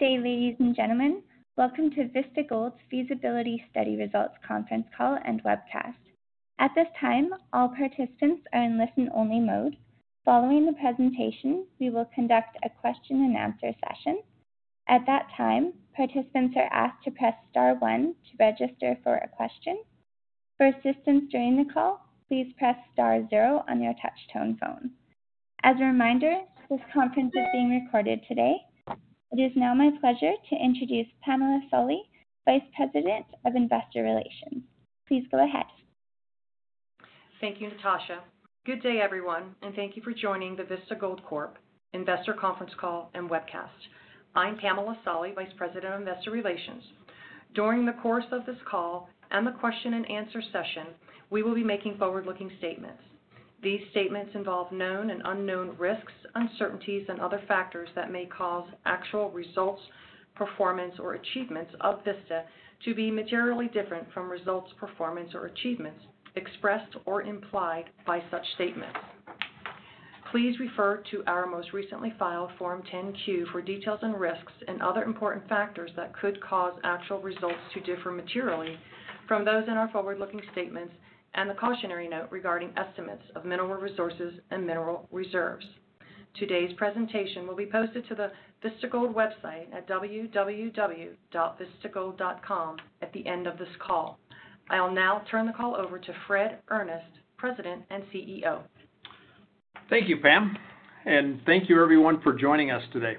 Good day, ladies and gentlemen. Welcome to Vista Gold's feasibility study results conference call and webcast. At this time, all participants are in listen-only mode. Following the presentation, we will conduct a question and answer session. At that time, participants are asked to press star one to register for a question. For assistance during the call, please press star zero on your touch-tone phone. As a reminder, this conference is being recorded today. It is now my pleasure to introduce Pamela Solly, Vice President of Investor Relations. Please go ahead. Thank you, Natasha. Good day, everyone, and thank you for joining the Vista Gold Corp. Investor conference call and webcast. I'm Pamela Solly, Vice President of Investor Relations. During the course of this call and the question and answer session, we will be making forward-looking statements. These statements involve known and unknown risks, uncertainties, and other factors that may cause actual results, performance, or achievements of Vista Gold Corp. to be materially different from results, performance, or achievements expressed or implied by such statements. Please refer to our most recently filed Form 10-Q for details on risks and other important factors that could cause actual results to differ materially from those in our forward-looking statements and the cautionary note regarding estimates of mineral resources and mineral reserves. Today's presentation will be posted to the Vista Gold website at www.vistagold.com at the end of this call. I'll now turn the call over to Fred Earnest, President and CEO. Thank you, Pam, and thank you, everyone, for joining us today.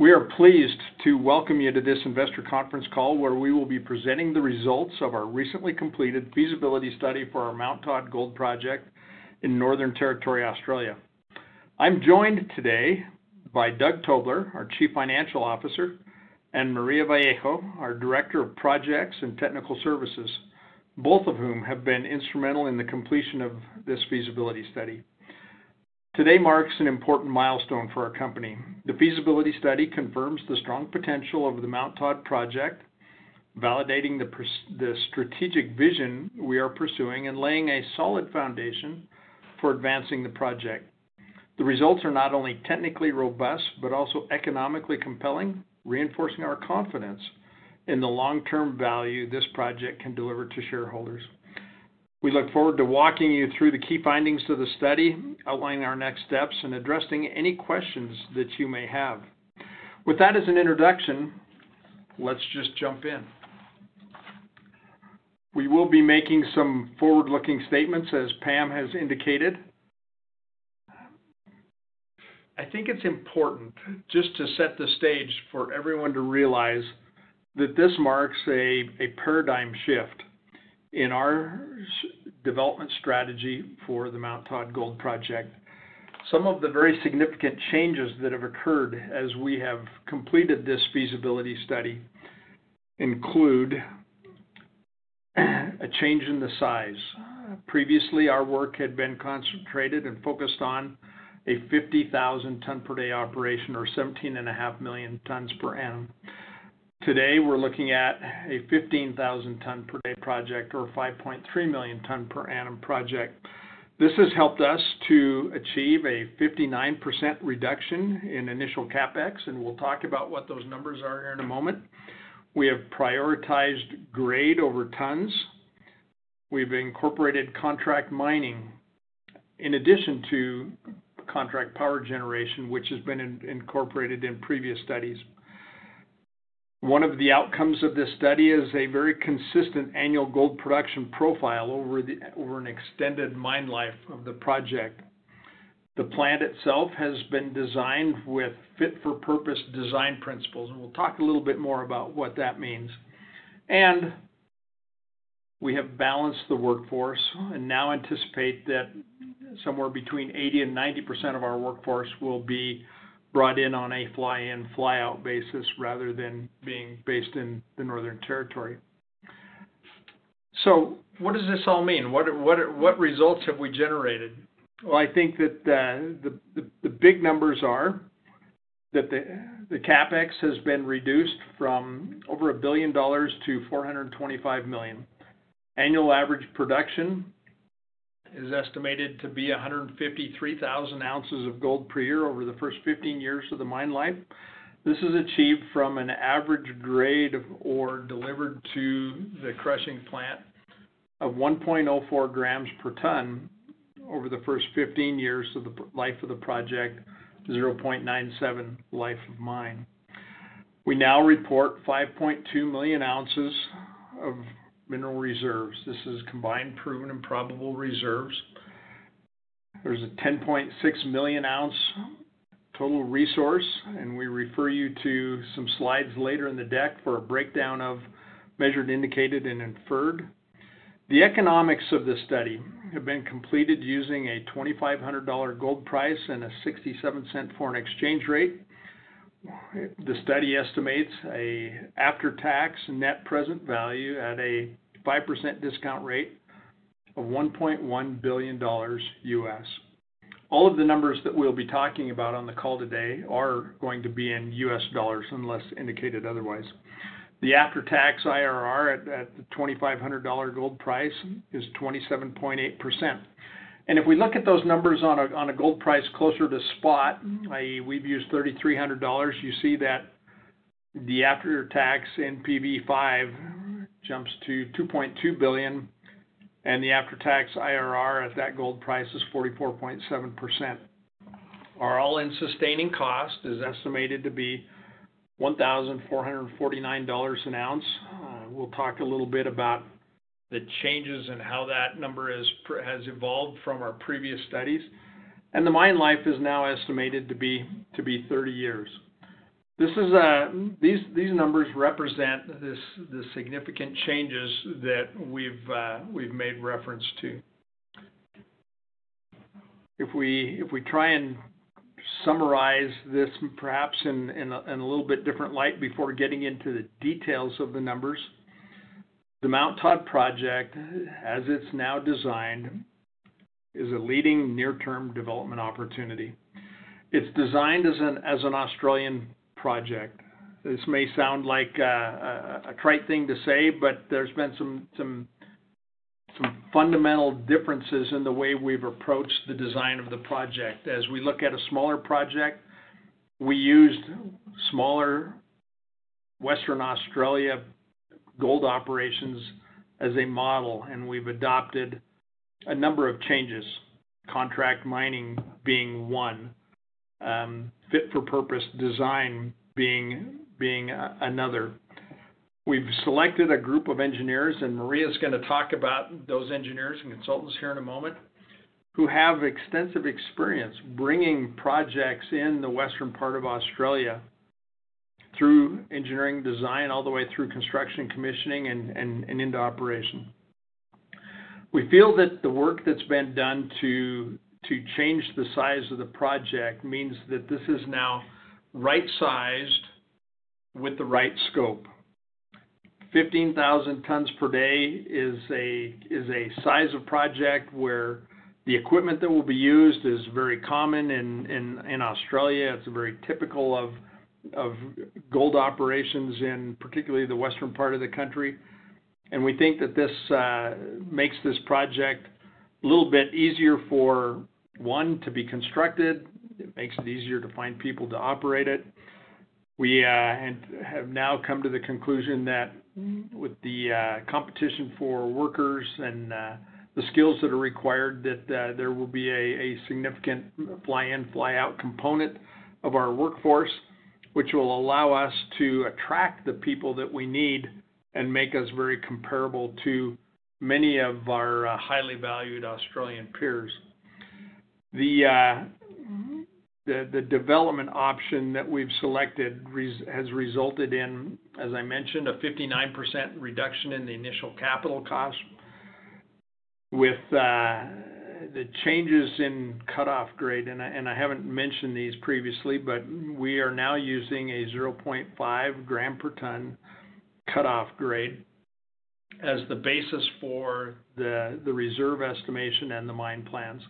We are pleased to welcome you to this Investor conference call where we will be presenting the results of our recently completed feasibility study for our Mt Todd Gold Project in Northern Territory, Australia. I'm joined today by Doug Tobler, our Chief Financial Officer, and Maria Vallejo, our Director of Projects and Technical Services, both of whom have been instrumental in the completion of this feasibility study. Today marks an important milestone for our company. The feasibility study confirms the strong potential of the Mt Todd project, validating the strategic vision we are pursuing and laying a solid foundation for advancing the project. The results are not only technically robust but also economically compelling, reinforcing our confidence in the long-term value this project can deliver to shareholders. We look forward to walking you through the key findings of the study, outlining our next steps, and addressing any questions that you may have. With that as an introduction, let's just jump in. We will be making some forward-looking statements, as Pam has indicated. I think it's important just to set the stage for everyone to realize that this marks a paradigm shift in our development strategy for the Mt Todd Gold Project. Some of the very significant changes that have occurred as we have completed this feasibility study include a change in the size. Previously, our work had been concentrated and focused on a 50,000-ton-per-day operation or 17.5 million tons per annum. Today, we're looking at a 15,000-ton-per-day project or 5.3 million ton-per-annum project. This has helped us to achieve a 59% reduction in initial CapEx, and we'll talk about what those numbers are here in a moment. We have prioritized grade over tons. We've incorporated contract mining in addition to contract power generation, which has been incorporated in previous studies. One of the outcomes of this study is a very consistent annual gold production profile over an extended mine life of the project. The plant itself has been designed with fit-for-purpose design principles, and we'll talk a little bit more about what that means. We have balanced the workforce and now anticipate that somewhere between 80% and 90% of our workforce will be brought in on a fly-in, fly-out basis rather than being based in the Northern Territory. What does this all mean? What results have we generated? I think that the big numbers are that the CapEx has been reduced from over $1 billion to $425 million. Annual average production is estimated to be 153,000 ounces of gold per year over the first 15 years of the mine life. This is achieved from an average grade of ore delivered to the crushing plant of 1.04 grams per ton over the first 15 years of the life of the project, 0.97 life of mine. We now report 5.2 million ounces of mineral reserves. This is combined proven and probable reserves. There's a 10.6 million-ounce total resource, and we refer you to some slides later in the deck for a breakdown of measured, indicated, and inferred. The economics of this study have been completed using a $2,500 gold price and a $0.67 foreign exchange rate. The study estimates an after-tax net present value at a 5% discount rate of $1.1 billion U.S. All of the numbers that we'll be talking about on the call today are going to be in US dollars unless indicated otherwise. The after-tax IRR at the $2,500 gold price is 27.8%. If we look at those numbers on a gold price closer to spot, i.e., we've used $3,300, you see that the after-tax NPV (5%) jumps to $2.2 billion, and the after-tax IRR at that gold price is 44.7%. Our all-in sustaining cost is estimated to be $1,449 an ounce. We'll talk a little bit about the changes and how that number has evolved from our previous studies. The mine life is now estimated to be 30 years. These numbers represent the significant changes that we've made reference to. If we try and summarize this perhaps in a little bit different light before getting into the details of the numbers, the Mt Todd project, as it's now designed, is a leading near-term development opportunity. It's designed as an Australian project. This may sound like a trite thing to say, but there's been some fundamental differences in the way we've approached the design of the project. As we look at a smaller project, we used smaller Western Australia gold operations as a model, and we've adopted a number of changes, contract mining being one, fit-for-purpose design being another. We've selected a group of engineers, and Maria is going to talk about those engineers and consultants here in a moment, who have extensive experience bringing projects in the western part of Australia through engineering design all the way through construction, commissioning, and into operation. We feel that the work that's been done to change the size of the project means that this is now right-sized with the right scope. 15,000 tons per day is a size of project where the equipment that will be used is very common in Australia. It's very typical of gold operations in particularly the Western part of the country. We think that this makes this project a little bit easier for, one, to be constructed. It makes it easier to find people to operate it. We have now come to the conclusion that with the competition for workers and the skills that are required, there will be a significant fly-in, fly-out component of our workforce, which will allow us to attract the people that we need and make us very comparable to many of our highly valued Australian peers. The development option that we've selected has resulted in, as I mentioned, a 59% reduction in the initial capital cost with the changes in cutoff grade. I haven't mentioned these previously, but we are now using a 0.5 gram per ton cutoff grade as the basis for the reserve estimation and the mine plans.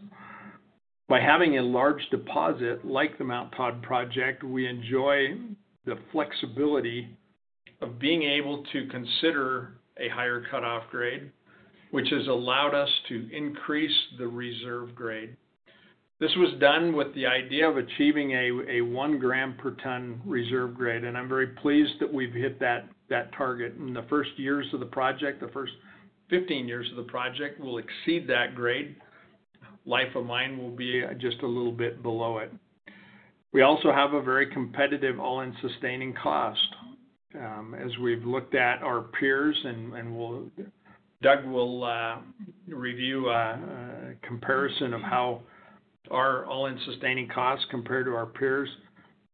By having a large deposit like the Mt Todd project, we enjoy the flexibility of being able to consider a higher cutoff grade, which has allowed us to increase the reserve grade. This was done with the idea of achieving a 1 gram per ton reserve grade, and I'm very pleased that we've hit that target. In the first years of the project, the first 15 years of the project will exceed that grade. Life of mine will be just a little bit below it. We also have a very competitive all-in sustaining cost. As we've looked at our peers, and Doug will review a comparison of how our all-in sustaining costs compare to our peers,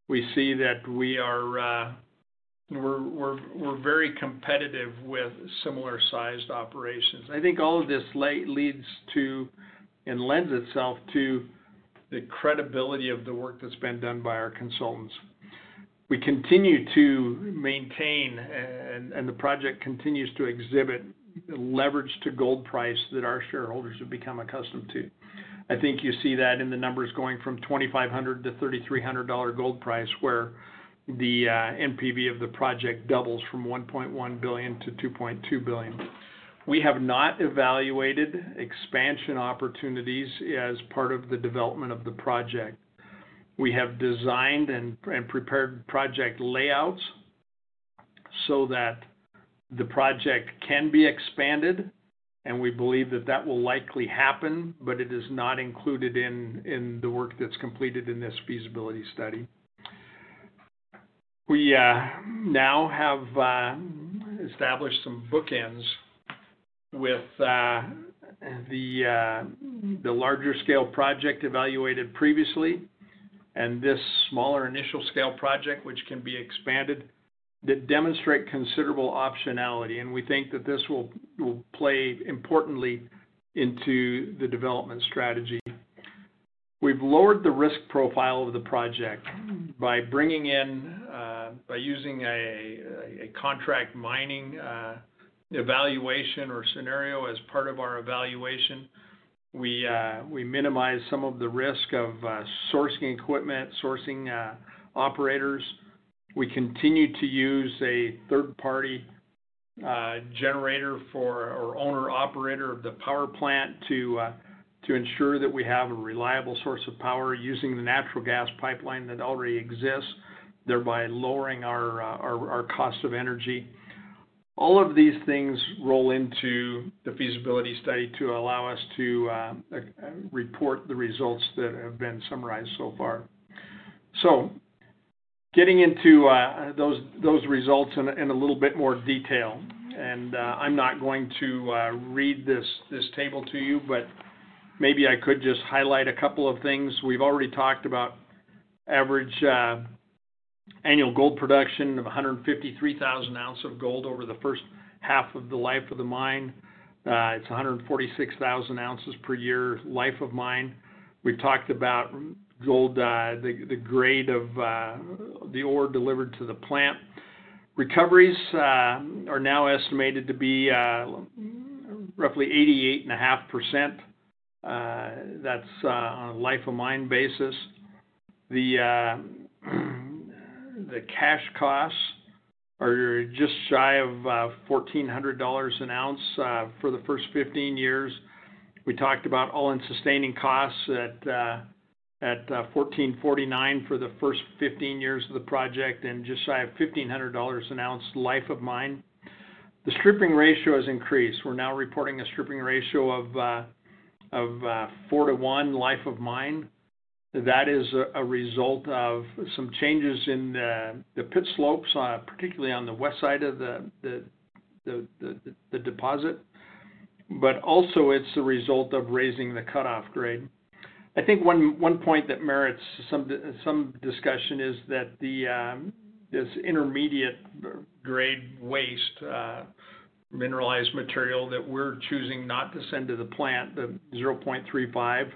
we see that we're very competitive with similar-sized operations. I think all of this leads to and lends itself to the credibility of the work that's been done by our consultants. We continue to maintain, and the project continues to exhibit the leverage to gold price that our shareholders have become accustomed to. I think you see that in the numbers going from $2,500-$3,300 gold price, where the NPV of the project doubles from $1.1 billion-$2.2 billion. We have not evaluated expansion opportunities as part of the development of the project. We have designed and prepared project layouts so that the project can be expanded, and we believe that that will likely happen, but it is not included in the work that's completed in this feasibility study. We now have established some bookends with the larger-scale project evaluated previously and this smaller initial-scale project, which can be expanded, that demonstrate considerable optionality. We think that this will play importantly into the development strategy. We've lowered the risk profile of the project by using a contract mining evaluation or scenario as part of our evaluation. We minimize some of the risk of sourcing equipment, sourcing operators. We continue to use a third-party generator for our owner-operator of the power plant to ensure that we have a reliable source of power using the natural gas pipeline that already exists, thereby lowering our cost of energy. All of these things roll into the feasibility study to allow us to report the results that have been summarized so far. Getting into those results in a little bit more detail, I'm not going to read this table to you, but maybe I could just highlight a couple of things. We've already talked about average annual gold production of 153,000 ounces of gold over the first half of the life of the mine. It's 146,000 ounces per year life of mine. We've talked about the grade of the ore delivered to the plant. Recoveries are now estimated to be roughly 88.5%. That's on a life-of-mine basis. The cash costs are just shy of $1,400 an ounce for the first 15 years. We talked about all-in sustaining costs at $1,449 for the first 15 years of the project and just shy of $1,500 an ounce life of mine. The stripping ratio has increased. We're now reporting a stripping ratio of 4:1 life of mine. That is a result of some changes in the pit slopes, particularly on the west side of the deposit, but also it's the result of raising the cutoff grade. I think one point that merits some discussion is that this intermediate grade waste, mineralized material that we're choosing not to send to the plant, the 0.35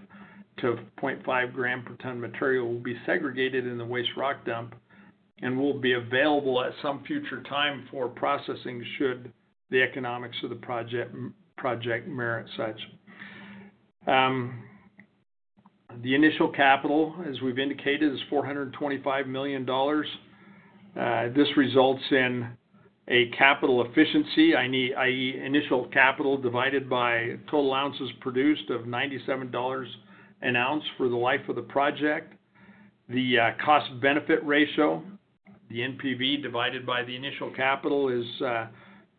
to 0.5 gram per ton material will be segregated in the waste rock dump and will be available at some future time for processing should the economics of the project merit such. The initial capital, as we've indicated, is $425 million. This results in a capital efficiency, i.e., initial capital divided by total ounces produced of $97 an ounce for the life of the project. The cost-benefit ratio, the NPV divided by the initial capital, is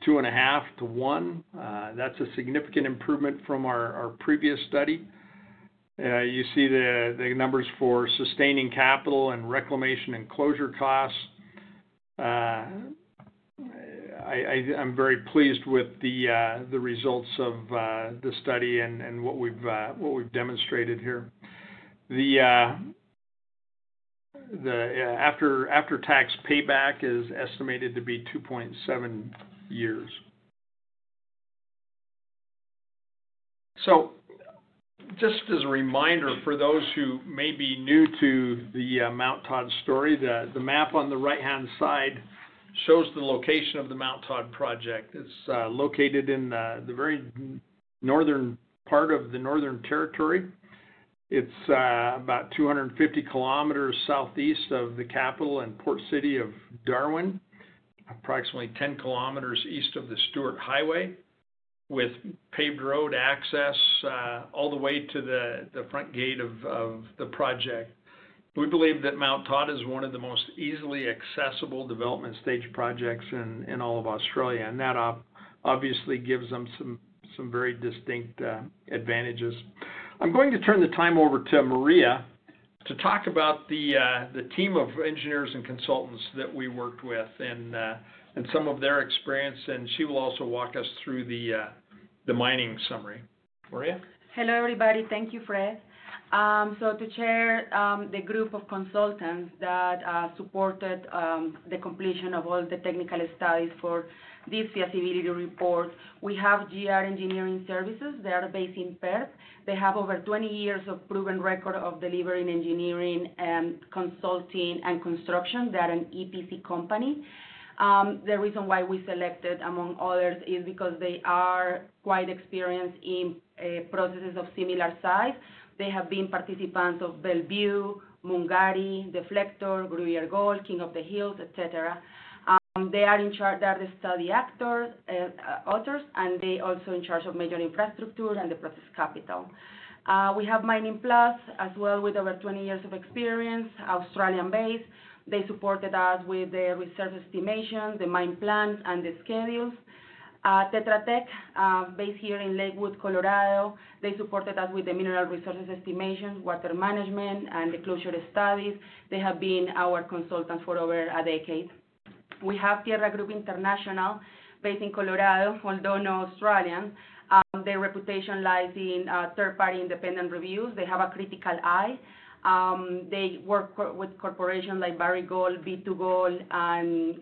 2.5 to 1. That's a significant improvement from our previous study. You see the numbers for sustaining capital and reclamation and closure costs. I'm very pleased with the results of the study and what we've demonstrated here. The after-tax payback is estimated to be 2.7 years. Just as a reminder for those who may be new to the Mt Todd story, the map on the right-hand side shows the location of the Mt Todd project. It's located in the very northern part of the Northern Territory. It's about 250 km southeast of the capital and port city of Darwin, approximately 10 km east of the Stuart Highway, with paved road access all the way to the front gate of the project. We believe that Mt Todd is one of the most easily accessible development stage projects in all of Australia, and that obviously gives us some very distinct advantages. I'm going to turn the time over to Maria to talk about the team of engineers and consultants that we worked with and some of their experience, and she will also walk us through the mining summary. Maria? Hello, everybody. Thank you, Fred. To chair the group of consultants that supported the completion of all the technical studies for this feasibility report, we have GR Engineering Services. They are based in Perth. They have over 20 years of proven record of delivering engineering, consulting, and construction. They are an EPC company. The reason why we selected, among others, is because they are quite experienced in processes of similar size. They have been participants of Bellevue, Mungari, Deflector, Gruyere Gold, King of the Hills, etc. They are the study actors, and they are also in charge of major infrastructure and the process capital. We have Mining Plus as well, with over 20 years of experience, Australian-based. They supported us with the reserve estimation, the mine plan, and the schedules. Tetra Tech, based here in Lakewood, Colorado, supported us with the mineral resources estimation, water management, and the closure studies. They have been our consultants for over a decade. We have Tierra Group International, based in Colorado, although not Australian. Their reputation lies in third-party independent reviews. They have a critical eye. They work with corporations like Barrick Gold, B2Gold, and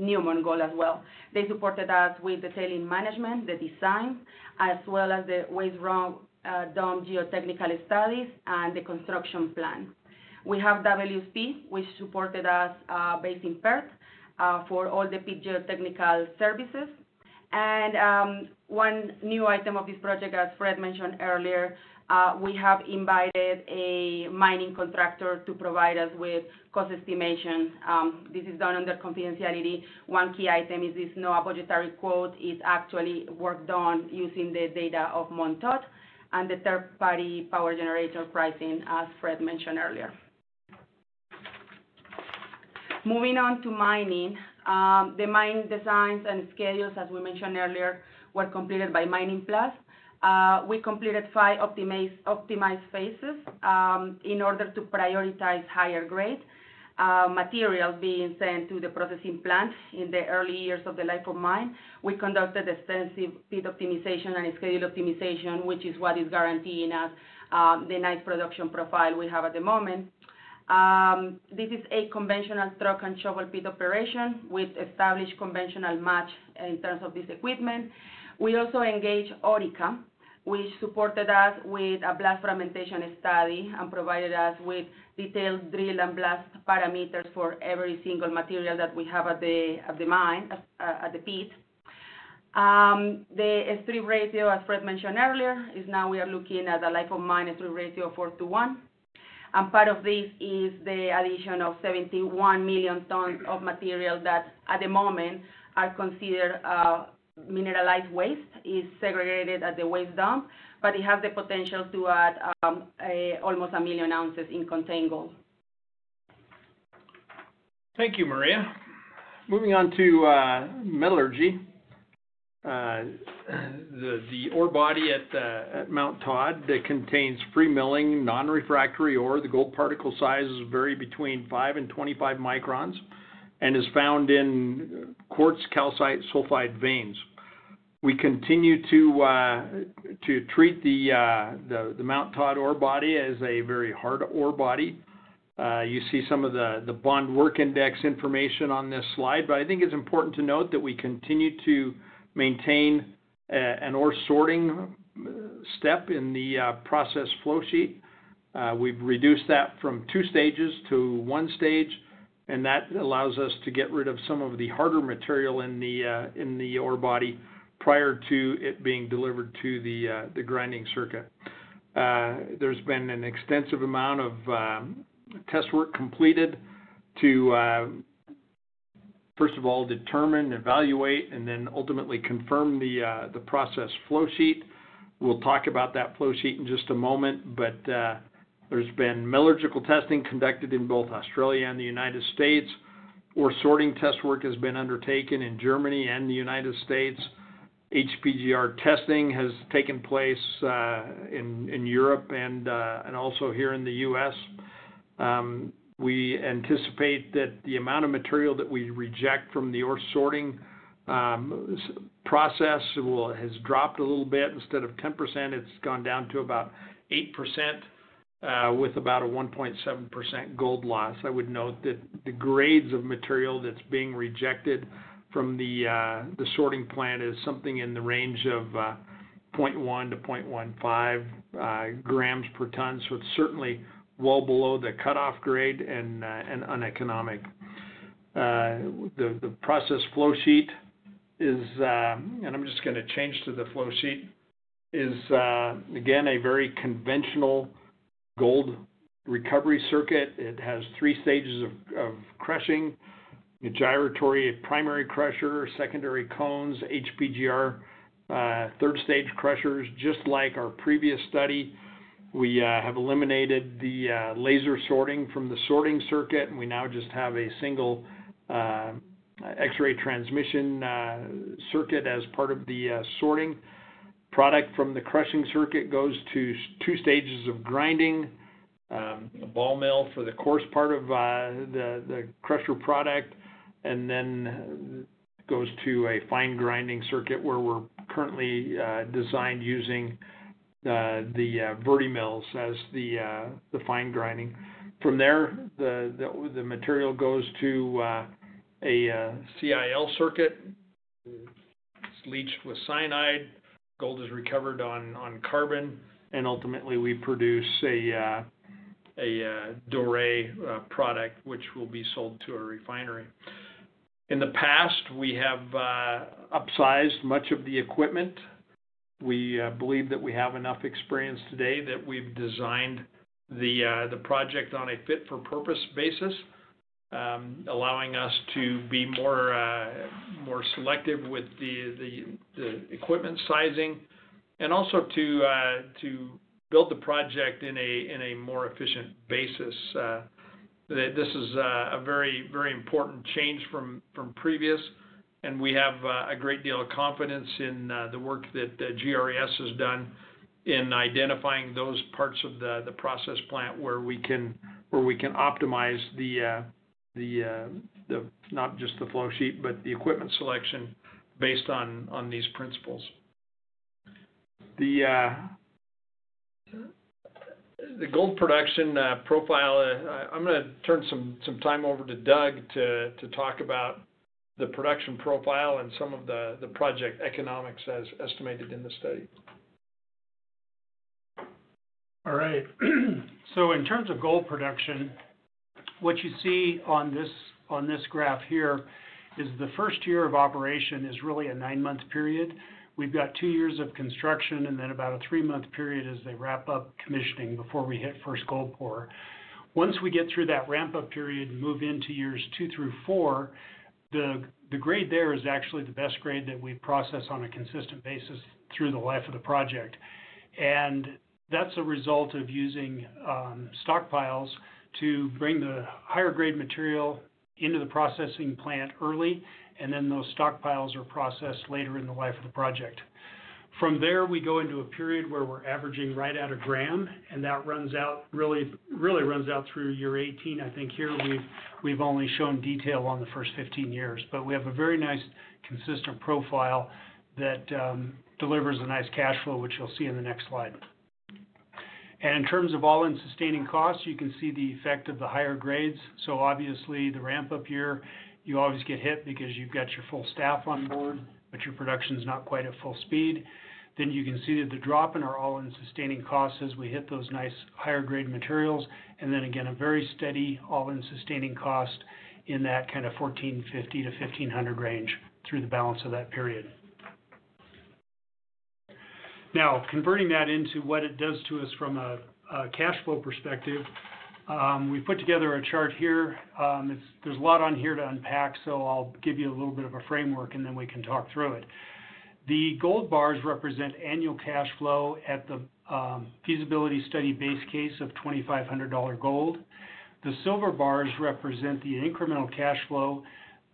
Newmont as well. They supported us with the tailings management, the design, as well as the waste rock dump geotechnical studies and the construction plan. We have WSP, which supported us based in Perth for all the pit geotechnical services. One new item of this project, as Fred mentioned earlier, is that we have invited a mining contractor to provide us with cost estimation. This is done under confidentiality. One key item is this: no budgetary quote. It's actually worked on using the data of Mt Todd and the third-party power generator pricing, as Fred mentioned earlier. Moving on to mining, the mine designs and schedules, as we mentioned earlier, were completed by Mining Plus. We completed five optimized phases in order to prioritize higher grade material being sent to the processing plant in the early years of the life of mine. We conducted extensive pit optimization and schedule optimization, which is what is guaranteeing us the nice production profile we have at the moment. This is a conventional truck and shovel pit operation with established conventional match in terms of this equipment. We also engaged Orica, which supported us with a blast fragmentation study and provided us with detailed drill and blast parameters for every single material that we have at the mine, at the pit. The strip ratio, as Fred mentioned earlier, is now we are looking at the life of mine strip ratio of 4:1. Part of this is the addition of 71 million tons of material that, at the moment, are considered mineralized waste. It's segregated at the waste dump, but it has the potential to add almost a million ounces in contained gold. Thank you, Maria. Moving on to metallurgy. The ore body at Mt Todd contains free milling non-refractory ore. The gold particle sizes vary between 5 and 25 microns and is found in quartz calcite sulfide veins. We continue to treat the Mt Todd ore body as a very hard ore body. You see some of the Bond work index information on this slide, but I think it's important to note that we continue to maintain an ore sorting step in the process flow sheet. We've reduced that from two stages to one stage, and that allows us to get rid of some of the harder material in the ore body prior to it being delivered to the grinding circuit. There's been an extensive amount of test work completed to, first of all, determine, evaluate, and then ultimately confirm the process flow sheet. We'll talk about that flow sheet in just a moment, but there's been metallurgical testing conducted in both Australia and the United States. Ore sorting test work has been undertaken in Germany and the United States. HPGR testing has taken place in Europe and also here in the U.S. We anticipate that the amount of material that we reject from the ore sorting process has dropped a little bit. Instead of 10%, it's gone down to about 8% with about a 1.7% gold loss. I would note that the grades of material that's being rejected from the sorting plant is something in the range of 0.1 to 0.15 grams per ton. It's certainly well below the cutoff grade and uneconomic. The process flow sheet is, and I'm just going to change to the flow sheet, is again a very conventional gold recovery circuit. It has three stages of crushing: a gyratory primary crusher, secondary cones, HPGR, third-stage crushers. Just like our previous study, we have eliminated the laser sorting from the sorting circuit, and we now just have a single X-ray transmission circuit as part of the sorting. Product from the crushing circuit goes to two stages of grinding, a ball mill for the coarse part of the crusher product, and then it goes to a fine grinding circuit where we're currently designed using the Vertimills as the fine grinding. From there, the material goes to a CIL circuit, it's leached with cyanide, gold is recovered on carbon, and ultimately, we produce a doré product, which will be sold to a refinery. In the past, we have upsized much of the equipment. We believe that we have enough experience today that we've designed the project on a fit-for-purpose basis, allowing us to be more selective with the equipment sizing and also to build the project in a more efficient basis. This is a very, very important change from previous, and we have a great deal of confidence in the work that GR Engineering Services has done in identifying those parts of the process plant where we can optimize not just the flow sheet, but the equipment selection based on these principles. The gold production profile, I'm going to turn some time over to Doug to talk about the production profile and some of the project economics as estimated in the study. All right. In terms of gold production, what you see on this graph here is the first year of operation is really a nine-month period. We've got two years of construction and then about a three-month period as they wrap up commissioning before we hit first gold pour. Once we get through that ramp-up period and move into years two through four, the grade there is actually the best grade that we process on a consistent basis through the life of the project. That's a result of using stockpiles to bring the higher-grade material into the processing plant early, and then those stockpiles are processed later in the life of the project. From there, we go into a period where we're averaging right at a gram, and that really runs out through year 18. I think here we've only shown detail on the first 15 years, but we have a very nice consistent profile that delivers a nice cash flow, which you'll see in the next slide. In terms of all-in sustaining costs, you can see the effect of the higher grades. Obviously, the ramp-up year, you always get hit because you've got your full staff on board, but your production is not quite at full speed. You can see the drop in our all-in sustaining costs as we hit those nice higher-grade materials, and then again, a very steady all-in sustaining cost in that kind of $1,450-$1,500 range through the balance of that period. Now, converting that into what it does to us from a cash flow perspective, we put together a chart here. There's a lot on here to unpack, so I'll give you a little bit of a framework, and then we can talk through it. The gold bars represent annual cash flow at the feasibility study base case of $2,500 gold. The silver bars represent the incremental cash flow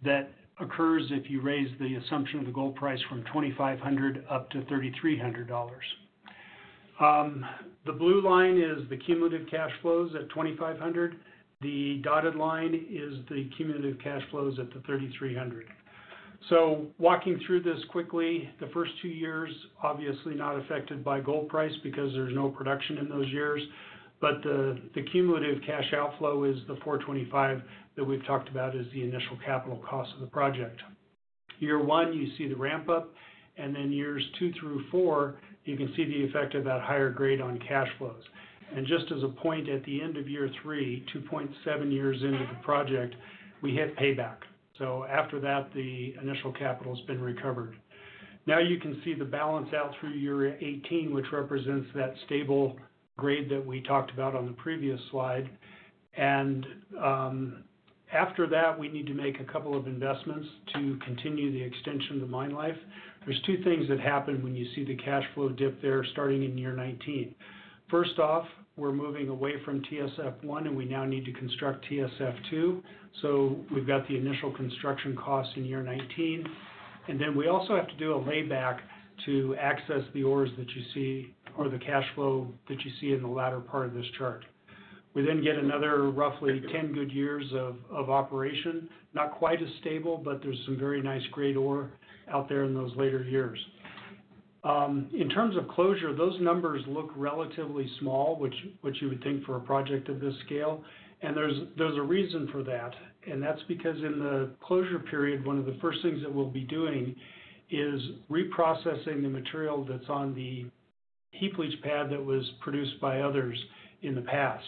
that occurs if you raise the assumption of the gold price from $2,500 up to $3,300. The blue line is the cumulative cash flows at $2,500. The dotted line is the cumulative cash flows at $3,300. Walking through this quickly, the first two years are obviously not affected by gold price because there's no production in those years, but the cumulative cash outflow is the $425 million that we've talked about as the initial capital cost of the project. Year one, you see the ramp-up, and then years two through four, you can see the effect of that higher grade on cash flows. Just as a point, at the end of year three, 2.7 years into the project, we hit payback. After that, the initial capital has been recovered. Now you can see the balance out through year 18, which represents that stable grade that we talked about on the previous slide. After that, we need to make a couple of investments to continue the extension of the mine life. There are two things that happen when you see the cash flow dip there starting in year 19. First off, we're moving away from TSF1, and we now need to construct TSF2. We've got the initial construction cost in year 19. We also have to do a layback to access the ores that you see or the cash flow that you see in the latter part of this chart. We then get another roughly 10 good years of operation, not quite as stable, but there's some very nice grade ore out there in those later years. In terms of closure, those numbers look relatively small, which you would think for a project of this scale. There's a reason for that, and that's because in the closure period, one of the first things that we'll be doing is reprocessing the material that's on the heap leach pad that was produced by others in the past.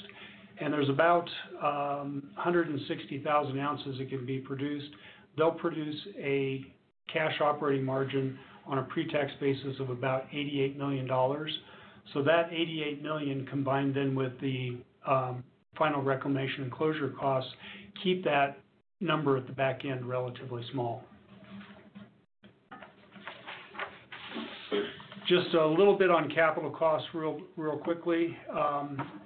There's about 160,000 ounces that can be produced. They'll produce a cash operating margin on a pre-tax basis of about $88 million. That $88 million, combined then with the final reclamation and closure costs, keep that number at the back end relatively small. Just a little bit on capital costs real quickly.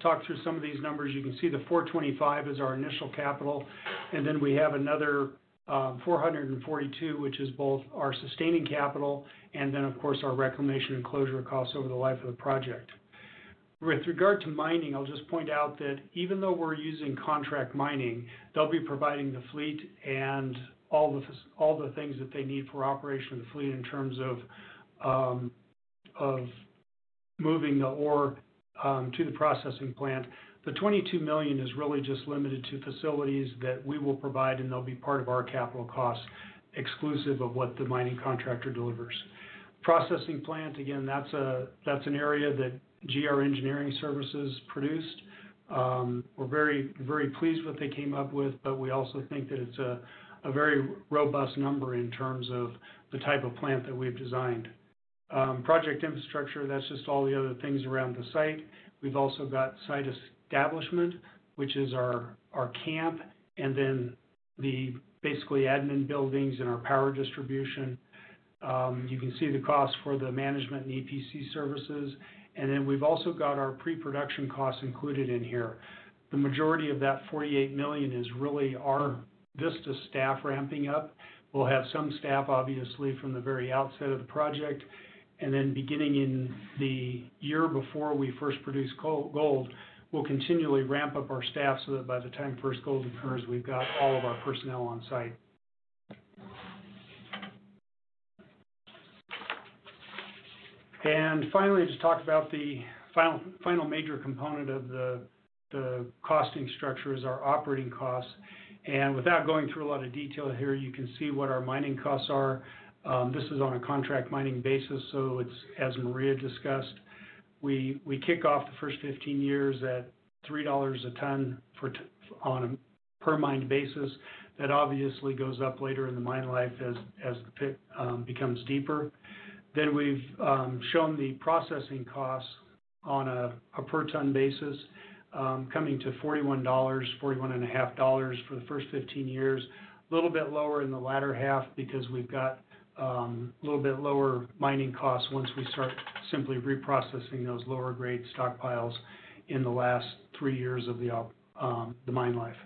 Talk through some of these numbers. You can see the $425 million is our initial capital, and then we have another $442 million, which is both our sustaining capital and then, of course, our reclamation and closure costs over the life of the project. With regard to mining, I'll just point out that even though we're using contract mining, they'll be providing the fleet and all the things that they need for operation of the fleet in terms of moving the ore to the processing plant. The $22 million is really just limited to facilities that we will provide, and they'll be part of our capital costs exclusive of what the mining contractor delivers. Processing plant, again, that's an area that GR Engineering Services produced. We're very, very pleased with what they came up with, but we also think that it's a very robust number in terms of the type of plant that we've designed. Project infrastructure, that's just all the other things around the site. We've also got site establishment, which is our camp, and then basically admin buildings and our power distribution. You can see the costs for the management and EPC services. We've also got our pre-production costs included in here. The majority of that $48 million is really our Vista staff ramping up. We'll have some staff, obviously, from the very outset of the project. Beginning in the year before we first produce gold, we'll continually ramp up our staff so that by the time first gold occurs, we've got all of our personnel on site. Finally, to talk about the final major component of the costing structure is our operating costs. Without going through a lot of detail here, you can see what our mining costs are. This is on a contract mining basis. As Maria discussed, we kick off the first 15 years at $3 a ton on a per mine basis. That obviously goes up later in the mine life as the pit becomes deeper. We've shown the processing costs on a per ton basis, coming to $41, $41.50 for the first 15 years, a little bit lower in the latter half because we've got a little bit lower mining costs once we start simply reprocessing those lower-grade stockpiles in the last three years of the mine life.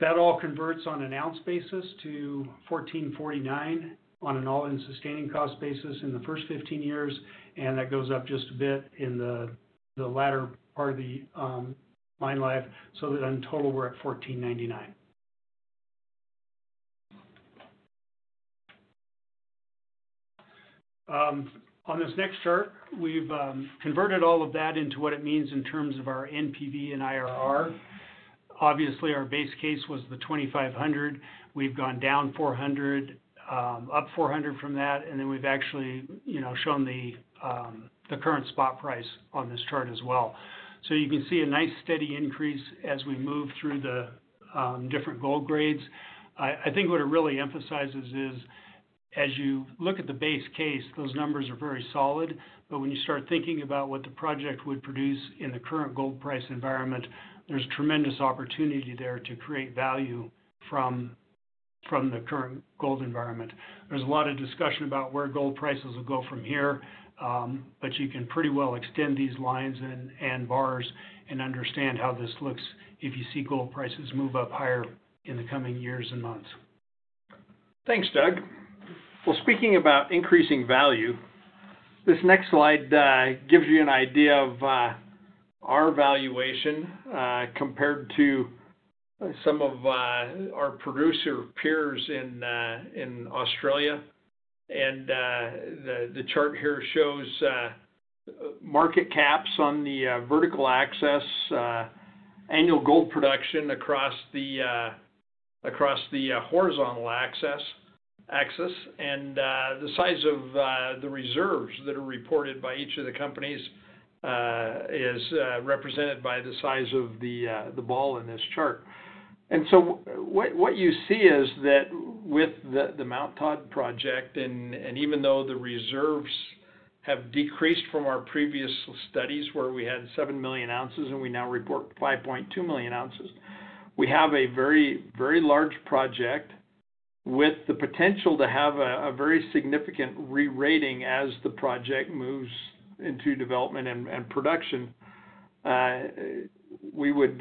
That all converts on an ounce basis to $1,449 on an all-in sustaining cost basis in the first 15 years, and that goes up just a bit in the latter part of the mine life. In total, we're at $1,499. On this next chart, we've converted all of that into what it means in terms of our NPV and IRR. Obviously, our base case was the $2,500. We've gone down $400, up $400 from that, and we've actually shown the current spot price on this chart as well. You can see a nice steady increase as we move through the different gold grades. I think what it really emphasizes is, as you look at the base case, those numbers are very solid. When you start thinking about what the project would produce in the current gold price environment, there's tremendous opportunity there to create value from the current gold environment. There's a lot of discussion about where gold prices will go from here, but you can pretty well extend these lines and bars and understand how this looks if you see gold prices move up higher in the coming years and months. Thanks, Doug. Speaking about increasing value, this next slide gives you an idea of our valuation compared to some of our producer peers in Australia. The chart here shows market caps on the vertical axis, annual gold production across the horizontal axis, and the size of the reserves that are reported by each of the companies is represented by the size of the ball in this chart. What you see is that with the Mt Todd project, even though the reserves have decreased from our previous studies where we had 7 million ounces and we now report 5.2 million ounces, we have a very, very large project with the potential to have a very significant rerating as the project moves into development and production. We would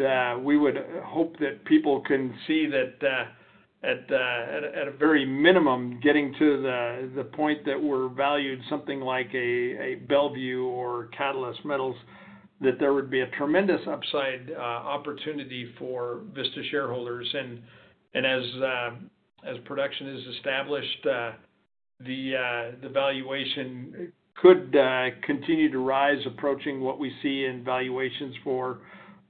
hope that people can see that at a very minimum, getting to the point that we're valued something like a Bellevue or Catalyst Metals, there would be a tremendous upside opportunity for Vista shareholders. As production is established, the valuation could continue to rise approaching what we see in valuations for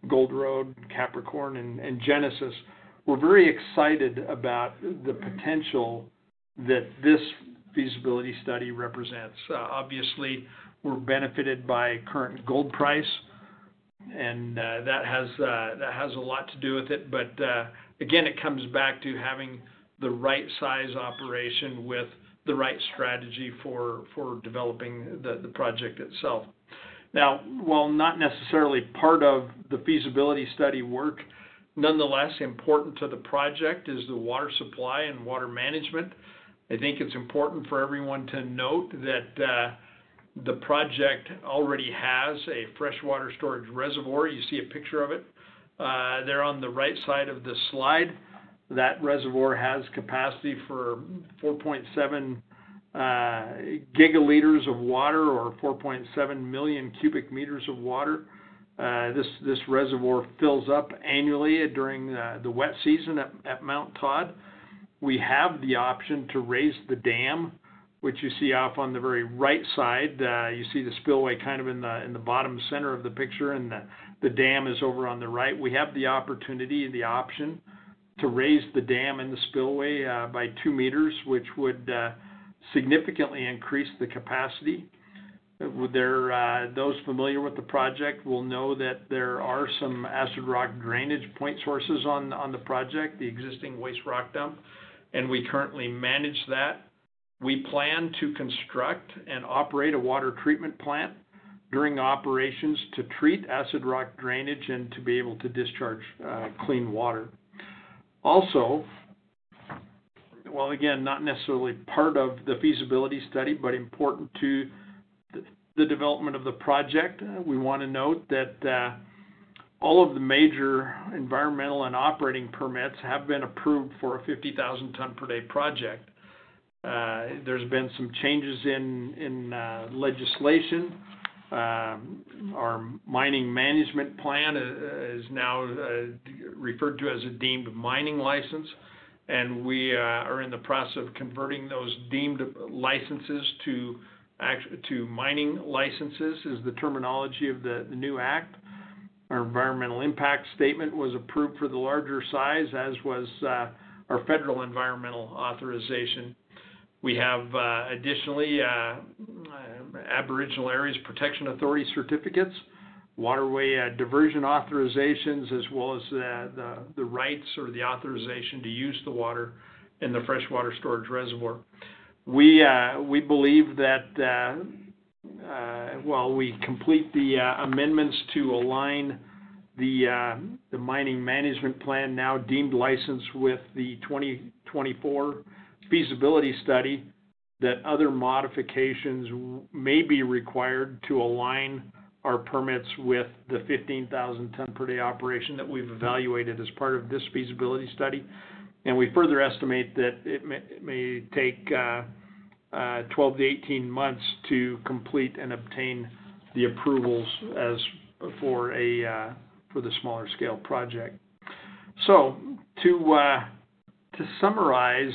Gold Road, Capricorn, and Genesis. We're very excited about the potential that this feasibility study represents. Obviously, we're benefited by current gold price, and that has a lot to do with it. Again, it comes back to having the right size operation with the right strategy for developing the project itself. While not necessarily part of the feasibility study work, nonetheless, important to the project is the water supply and water management. I think it's important for everyone to note that the project already has a freshwater storage reservoir. You see a picture of it there on the right side of the slide. That reservoir has capacity for 4.7 gigaliters of water or 4.7 million cubic meters of water. This reservoir fills up annually during the wet season at Mt Todd. We have the option to raise the dam, which you see off on the very right side. You see the spillway kind of in the bottom center of the picture, and the dam is over on the right. We have the opportunity, the option to raise the dam in the spillway by 2 meters, which would significantly increase the capacity. Those familiar with the project will know that there are some acid rock drainage point sources on the project, the existing waste rock dump, and we currently manage that. We plan to construct and operate a water treatment plant during operations to treat acid rock drainage and to be able to discharge clean water. Also, not necessarily part of the feasibility study, but important to the development of the project, we want to note that all of the major environmental and operating permits have been approved for a 50,000-ton per day project. There's been some changes in legislation. Our mining management plan is now referred to as a deemed mining license, and we are in the process of converting those deemed licenses to mining licenses, which is the terminology of the new act. Our environmental impact statement was approved for the larger size, as was our federal environmental authorization. We have additionally Aboriginal Areas Protection Authority certificates, waterway diversion authorizations, as well as the rights or the authorization to use the water in the freshwater storage reservoir. We believe that while we complete the amendments to align the mining management plan now deemed license with the 2024 feasibility study, other modifications may be required to align our permits with the 15,000-ton per day operation that we've evaluated as part of this feasibility study. We further estimate that it may take 12 to 18 months to complete and obtain the approvals for the smaller-scale project. To summarize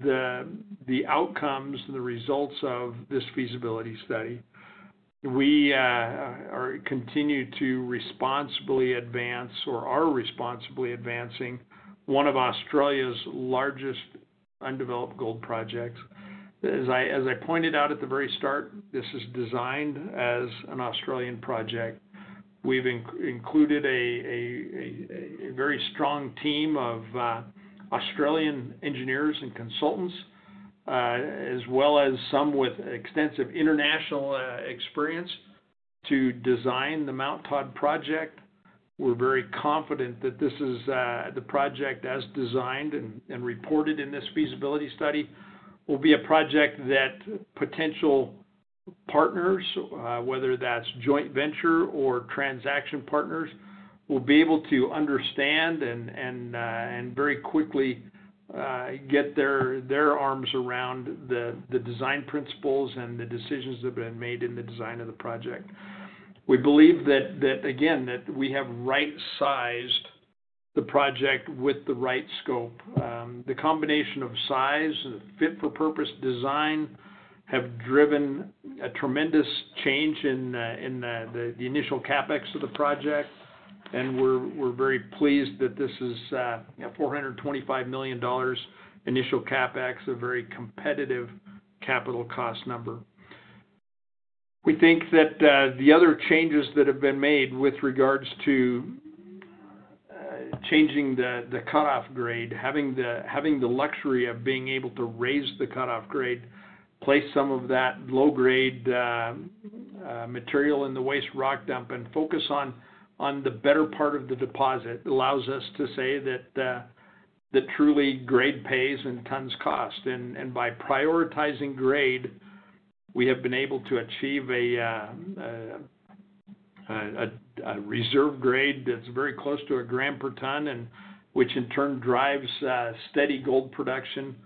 the outcomes and the results of this feasibility study, we continue to responsibly advance or are responsibly advancing one of Australia's largest undeveloped gold projects. As I pointed out at the very start, this is designed as an Australian project. We've included a very strong team of Australian engineers and consultants, as well as some with extensive international experience to design the Mt Todd project. We're very confident that this is the project as designed and reported in this feasibility study will be a project that potential partners, whether that's joint venture or transaction partners, will be able to understand and very quickly get their arms around the design principles and the decisions that have been made in the design of the project. We believe that, again, that we have right-sized the project with the right scope. The combination of size and the fit-for-purpose design have driven a tremendous change in the initial CapEx of the project, and we're very pleased that this is a $425 million initial CapEx, a very competitive capital cost number. We think that the other changes that have been made with regards to changing the cutoff grade, having the luxury of being able to raise the cutoff grade, place some of that low-grade material in the waste rock dump, and focus on the better part of the deposit allows us to say that truly grade pays and tons cost. By prioritizing grade, we have been able to achieve a reserve grade that's very close to a gram per ton, which in turn drives steady gold production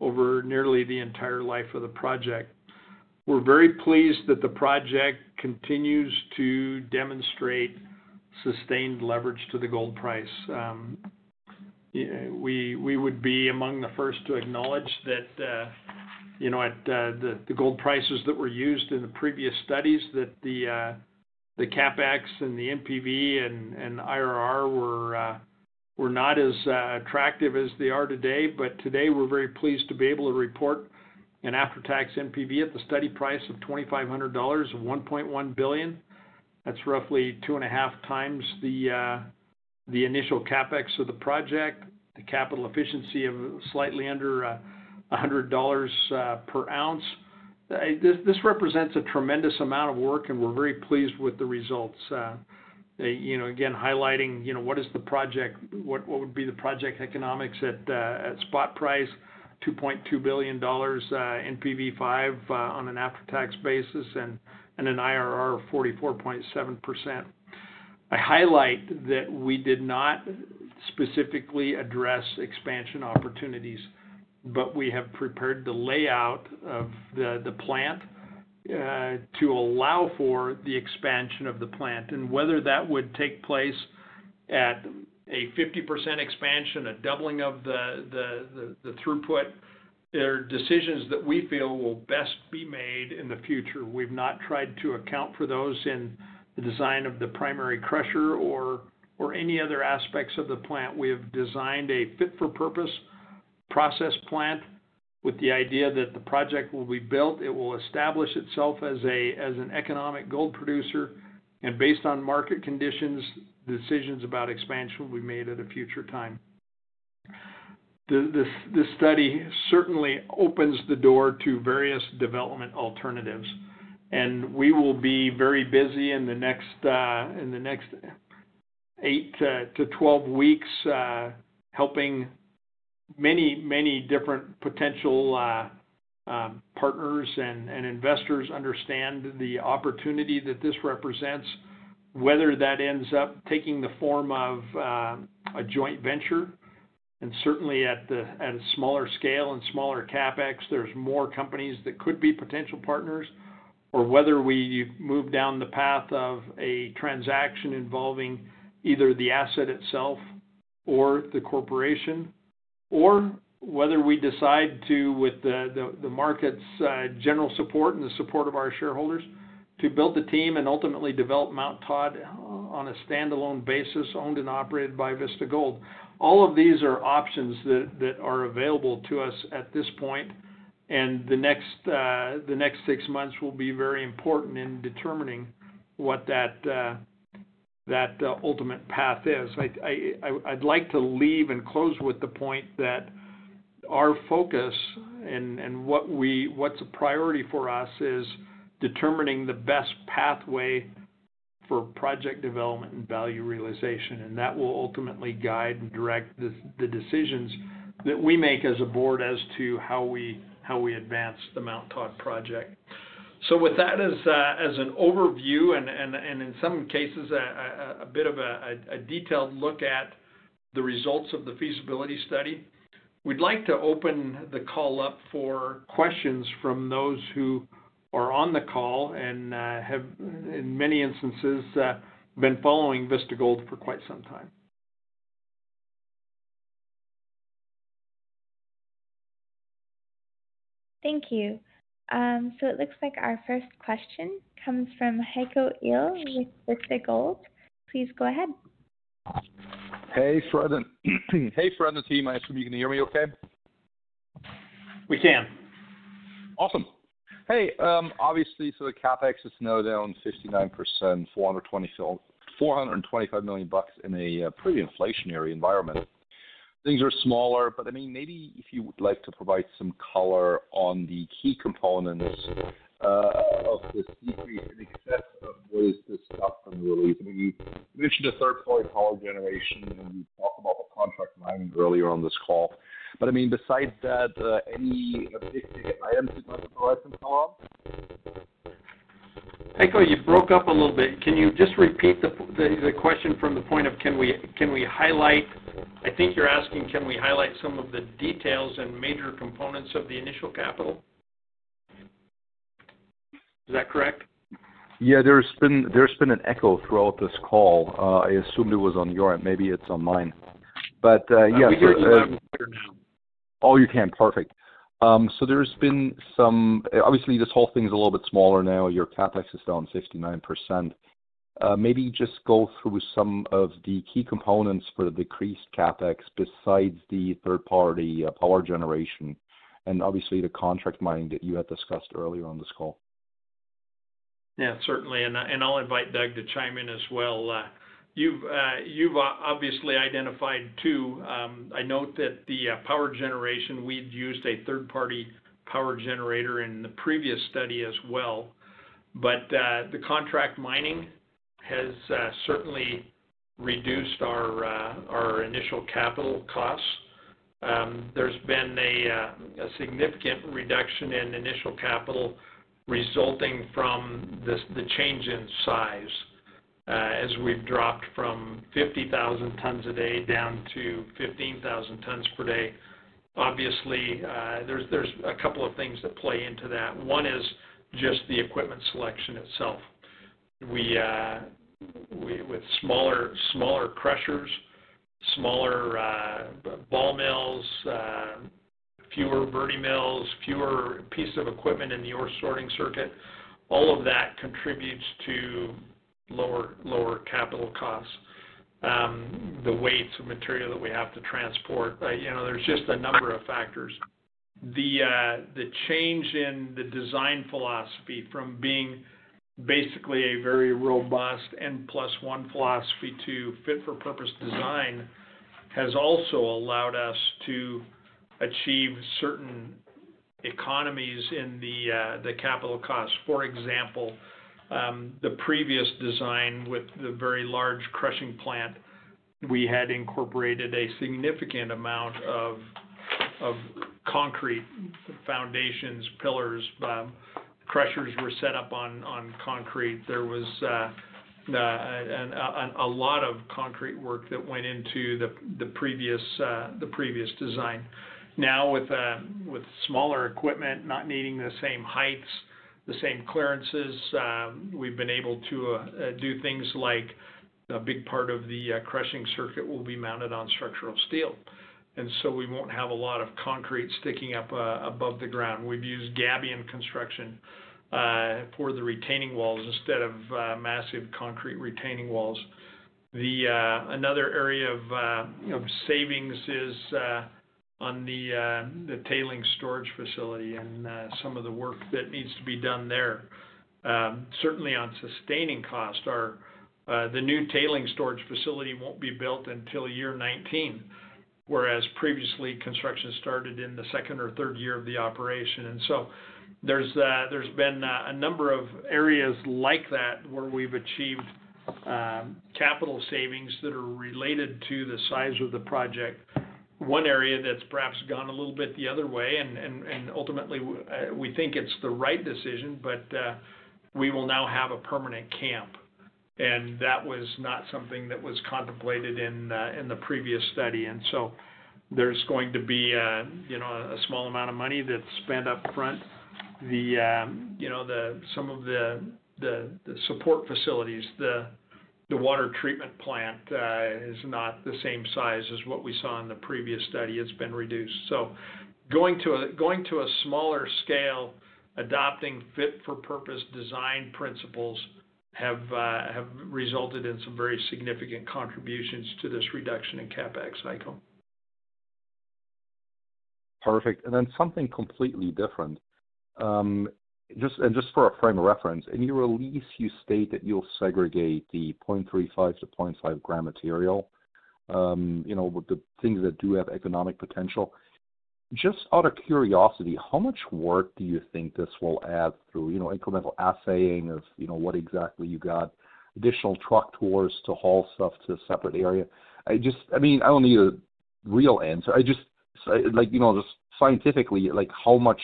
over nearly the entire life of the project. We're very pleased that the project continues to demonstrate sustained leverage to the gold price. We would be among the first to acknowledge that the gold prices that were used in the previous studies, that the CapEx and the NPV and IRR were not as attractive as they are today. Today, we're very pleased to be able to report an after-tax NPV (5%) at the study price of $2,500 of $1.1 billion. That's roughly two and a half times the initial CapEx of the project, the capital efficiency of slightly under $100 per ounce. This represents a tremendous amount of work, and we're very pleased with the results. Again, highlighting what is the project, what would be the project economics at spot price, $2.2 billion NPV (5%) on an after-tax basis and an IRR of 44.7%. I highlight that we did not specifically address expansion opportunities, but we have prepared the layout of the plant to allow for the expansion of the plant. Whether that would take place at a 50% expansion, a doubling of the throughput, there are decisions that we feel will best be made in the future. We've not tried to account for those in the design of the primary crusher or any other aspects of the plant. We have designed a fit-for-purpose process plant with the idea that the project will be built, it will establish itself as an economic gold producer, and based on market conditions, decisions about expansion will be made at a future time. This study certainly opens the door to various development alternatives. We will be very busy in the next 8 to 12 weeks helping many, many different potential partners and investors understand the opportunity that this represents, whether that ends up taking the form of a joint venture. At a smaller scale and smaller CapEx, there's more companies that could be potential partners, or whether we move down the path of a transaction involving either the asset itself or the corporation, or whether we decide to, with the market's general support and the support of our shareholders, build the team and ultimately develop Mt Todd on a standalone basis owned and operated by Vista Gold. All of these are options that are available to us at this point, and the next six months will be very important in determining what that ultimate path is. I'd like to leave and close with the point that our focus and what's a priority for us is determining the best pathway for project development and value realization. That will ultimately guide and direct the decisions that we make as a board as to how we advance the Mt Todd project. With that as an overview and in some cases, a bit of a detailed look at the results of the feasibility study, we'd like to open the call up for questions from those who are on the call and have, in many instances, been following Vista Gold for quite some time. Thank you. It looks like our first question comes from Heiko Ihle with Vista Gold. Please go ahead. Hey, Fred. Hey, Fred and team. I hope you can hear me okay. We can. Awesome. Obviously, the CapEx is now down 59%, $425 million in a pretty inflationary environment. Things are smaller, but maybe if you would like to provide some color on the key components of the stock fund. You mentioned a third-party power generation, and we talked about contract mining earlier on this call. Besides that, any big ticket items you'd like to go ahead and throw out? Heiko, you broke up a little bit. Can you just repeat the question from the point of can we highlight? I think you're asking, can we highlight some of the details and major components of the initial capital? Is that correct? Yeah, there's been an echo throughout this call. I assumed it was on your end. Maybe it's on mine. Perfect. There's been some, obviously, this whole thing is a little bit smaller now. Your CapEx is down 59%. Maybe just go through some of the key components for the decreased CapEx besides the third-party power generation and obviously the contract mining that you had discussed earlier on this call. Yeah, certainly. I'll invite Doug to chime in as well. You've obviously identified two. I note that the power generation, we'd used a third-party power generator in the previous study as well. The contract mining has certainly reduced our initial capital costs. There's been a significant reduction in initial capital resulting from the change in size as we've dropped from 50,000 tons a day down to 15,000 tons per day. There's a couple of things that play into that. One is just the equipment selection itself. With smaller crushers, smaller ball mills, fewer verti mills, fewer pieces of equipment in the ore sorting circuit, all of that contributes to lower capital costs. The weights of material that we have to transport, there's just a number of factors. The change in the design philosophy from being basically a very robust N plus one philosophy to fit-for-purpose design has also allowed us to achieve certain economies in the capital costs. For example, the previous design with the very large crushing plant, we had incorporated a significant amount of concrete, some foundations, pillars. Crushers were set up on concrete. There was a lot of concrete work that went into the previous design. Now, with smaller equipment not needing the same heights, the same clearances, we've been able to do things like a big part of the crushing circuit will be mounted on structural steel. We won't have a lot of concrete sticking up above the ground. We've used gabion construction for the retaining walls instead of massive concrete retaining walls. Another area of savings is on the tailing storage facility and some of the work that needs to be done there. On sustaining cost, the new tailing storage facility won't be built until year 19, whereas previously, construction started in the second or third year of the operation. There's been a number of areas like that where we've achieved capital savings that are related to the size of the project. One area that's perhaps gone a little bit the other way, and ultimately, we think it's the right decision, but we will now have a permanent camp. That was not something that was contemplated in the previous study. There's going to be a small amount of money that's spent up front. Some of the support facilities, the water treatment plant is not the same size as what we saw in the previous study. It's been reduced. Going to a smaller scale, adopting fit-for-purpose design principles have resulted in some very significant contributions to this reduction in CapEx cycle. Perfect. Just for a frame of reference, in your release, you state that you'll segregate the 0.35 to 0.5 gram material with the things that do have economic potential. Just out of curiosity, how much work do you think this will add through incremental assaying of what exactly you got, additional truck tours to haul stuff to a separate area? I mean, I don't need a real answer. I just, like, scientifically, how much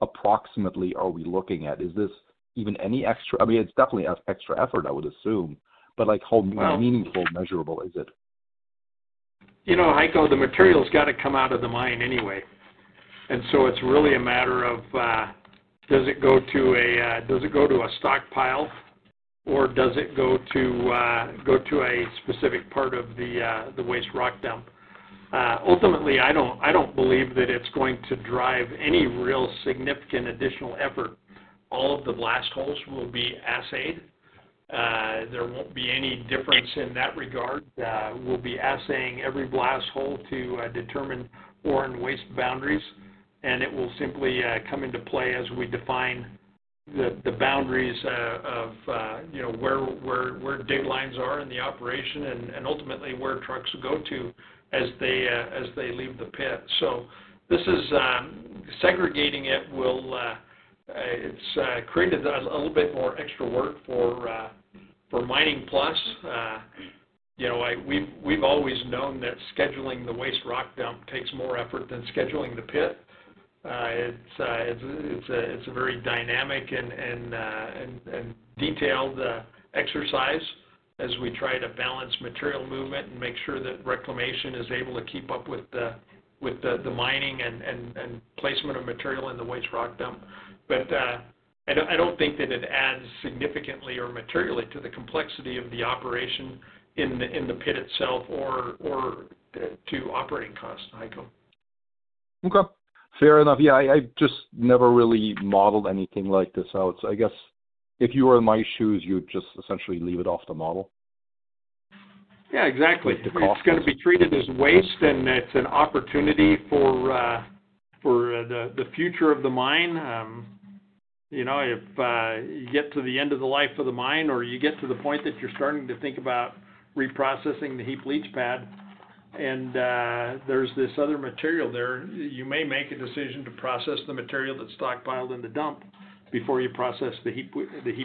approximately are we looking at? Is this even any extra? I mean, it's definitely an extra effort, I would assume. How meaningful, measurable is it? You know, Heiko, the material's got to come out of the mine anyway. It's really a matter of, does it go to a stockpile or does it go to a specific part of the waste rock dump? Ultimately, I don't believe that it's going to drive any real significant additional effort. All of the blast holes will be assayed. There won't be any difference in that regard. We'll be assaying every blast hole to determine ore and waste boundaries. It will simply come into play as we define the boundaries of where dig lines are in the operation and ultimately where trucks go to as they leave the pit. This is segregating it will create a little bit more extra work for Mining Plus. We've always known that scheduling the waste rock dump takes more effort than scheduling the pit. It's a very dynamic and detailed exercise as we try to balance material movement and make sure that reclamation is able to keep up with the mining and placement of material in the waste rock dump. I don't think that it adds significantly or materially to the complexity of the operation in the pit itself or to operating costs, Heiko. Okay. Fair enough. I just never really modeled anything like this out. I guess if you were in my shoes, you would just essentially leave it off the model. Yeah, exactly. If it's going to be treated as waste, then it's an opportunity for the future of the mine. If you get to the end of the life of the mine or you get to the point that you're starting to think about reprocessing the heap leach pad and there's this other material there, you may make a decision to process the material that's stockpiled in the dump before you process the heap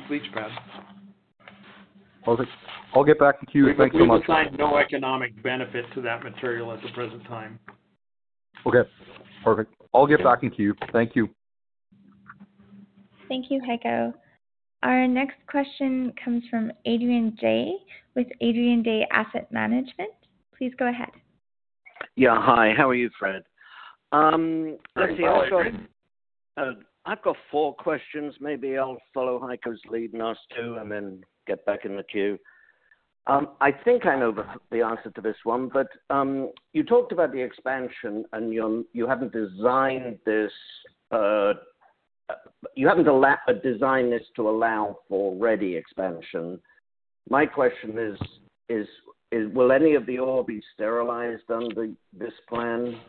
leach pad. Perfect. I'll get back in queue. Thanks so much. We find no economic benefits to that material at the present time. Okay. Perfect. I'll get back in queue. Thank you. Thank you, Heiko. Our next question comes from Adrian Day with Adrian Day Asset Management. Please go ahead. Yeah, hi. How are you, Fred? Let's see. I've got four questions. Maybe I'll follow Heiko's lead in those two and then get back in the queue. I think I know the answer to this one, but you talked about the expansion and you haven't designed this. You haven't designed this to allow for ready expansion. My question is, will any of the ore be sterilized under this plan?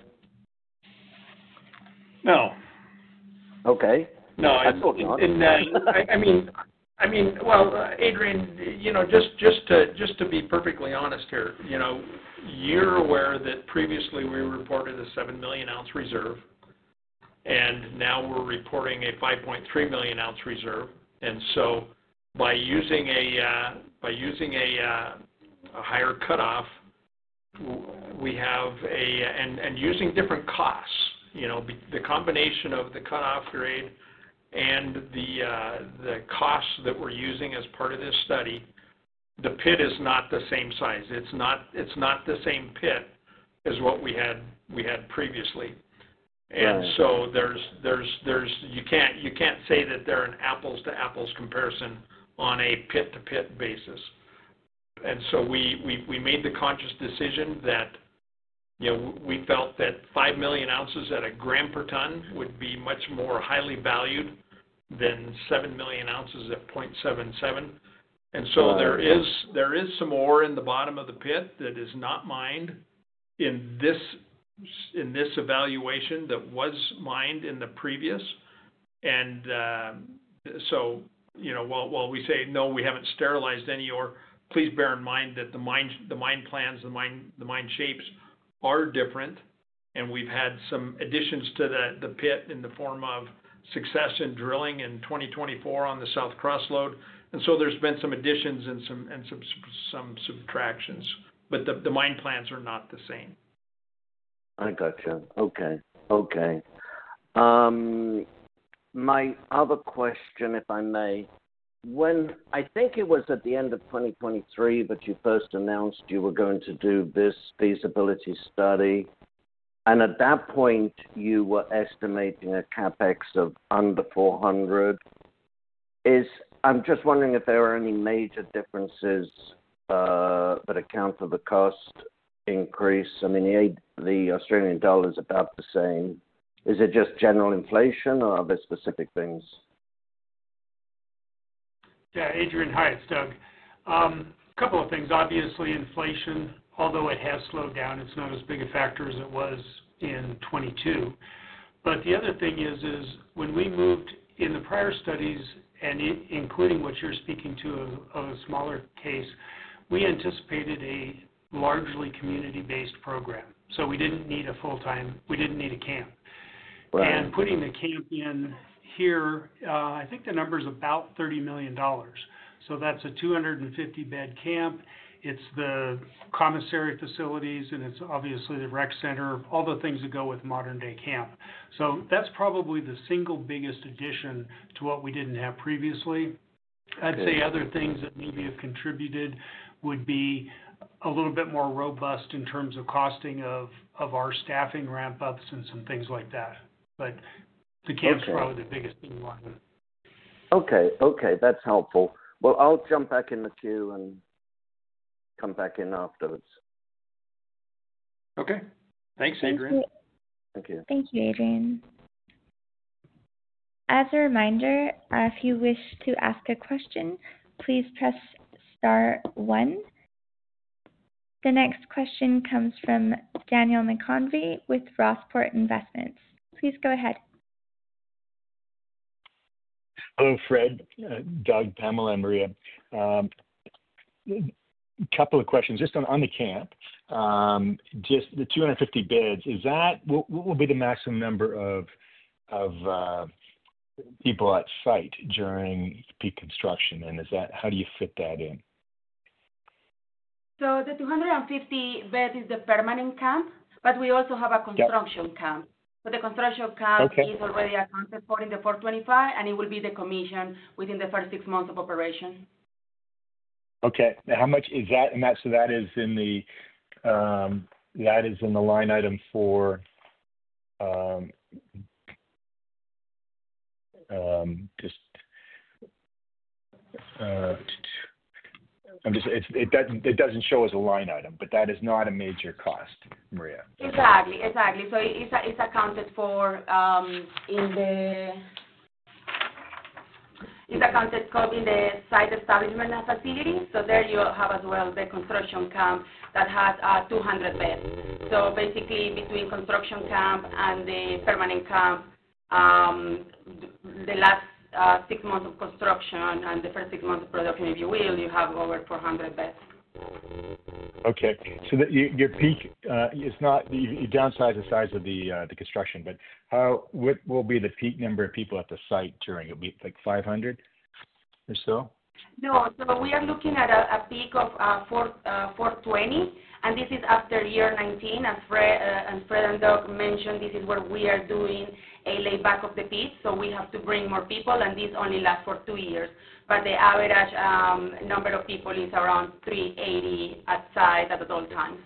No. Okay. No, I thought not. Adrian, you know, just to be perfectly honest here, you're aware that previously we reported a 7 million ounce reserve, and now we're reporting a 5.3 million ounce reserve. By using a higher cutoff, and using different costs, the combination of the cutoff grade and the costs that we're using as part of this study, the pit is not the same size. It's not the same pit as what we had previously. There's, you can't say that they're an apples-to-apples comparison on a pit-to-pit basis. We made the conscious decision that we felt that 5 million ounces at a gram per ton would be much more highly valued than 7 million ounces at 0.77. There is some ore in the bottom of the pit that is not mined in this evaluation that was mined in the previous. While we say, no, we haven't sterilized any ore, please bear in mind that the mine plans, the mine shapes are different, and we've had some additions to the pit in the form of succession drilling in 2024 on the south crossroad. There's been some additions and some subtractions, but the mine plans are not the same. Okay. My other question, if I may, when I think it was at the end of 2023 that you first announced you were going to do this feasibility study, and at that point, you were estimating a CapEx of under $400 million. I'm just wondering if there are any major differences that account for the cost increase. I mean, the Australian dollar is about the same. Is it just general inflation or are there specific things? Yeah, Adrian, hi, it's Doug. A couple of things. Obviously, inflation, although it has slowed down, it's not as big a factor as it was in 2022. The other thing is, when we moved in the prior studies, and including what you're speaking to of a smaller case, we anticipated a largely community-based program. We didn't need a full-time, we didn't need a camp. Putting the camp in here, I think the number's about $30 million. That's a 250-bed camp. It's the commissary facilities, and it's obviously the rec center, all the things that go with modern-day camp. That's probably the single biggest addition to what we didn't have previously. I'd say other things that maybe have contributed would be a little bit more robust in terms of costing of our staffing ramp-ups and some things like that. The camp's probably the biggest one. Okay. Okay. That's helpful. I'll jump back in the queue and come back in afterwards. Okay. Thanks, Adrian. Thank you. Thank you, Adrian. As a reminder, if you wish to ask a question, please press star one. The next question comes from Daniel McConvey with Rossport Investments. Please go ahead. Earnest, Doug, Pamela, and Maria. A couple of questions. Just on the camp, just the 250 beds, is that what will be the maximum number of people at site during peak construction? Is that how do you fit that in? The 250 beds is the permanent camp, but we also have a construction camp. The construction camp is already accounted for in the 425, and it will be commissioned within the first six months of operation. Okay. How much is that? That is in the line item for—I'm just—it doesn't show as a line item, but that is not a major cost, Maria. Exactly. Exactly. It's accounted for in the site establishment of activities. There you have as well the construction camp that has 200 beds. Basically, between the construction camp and the permanent camp, the last six months of construction and the first six months of production, if you will, you have over 400 beds. Okay. Your peak is not you downsize the size of the construction, but what will be the peak number of people at the site during it? It'll be like 500 or so? No. We are looking at a peak of 420, and this is after year 19. Fred and Doug mentioned this is where we are doing a layback of the piece. We have to bring more people, and this only lasts for two years. The average number of people is around 380 at site at those times.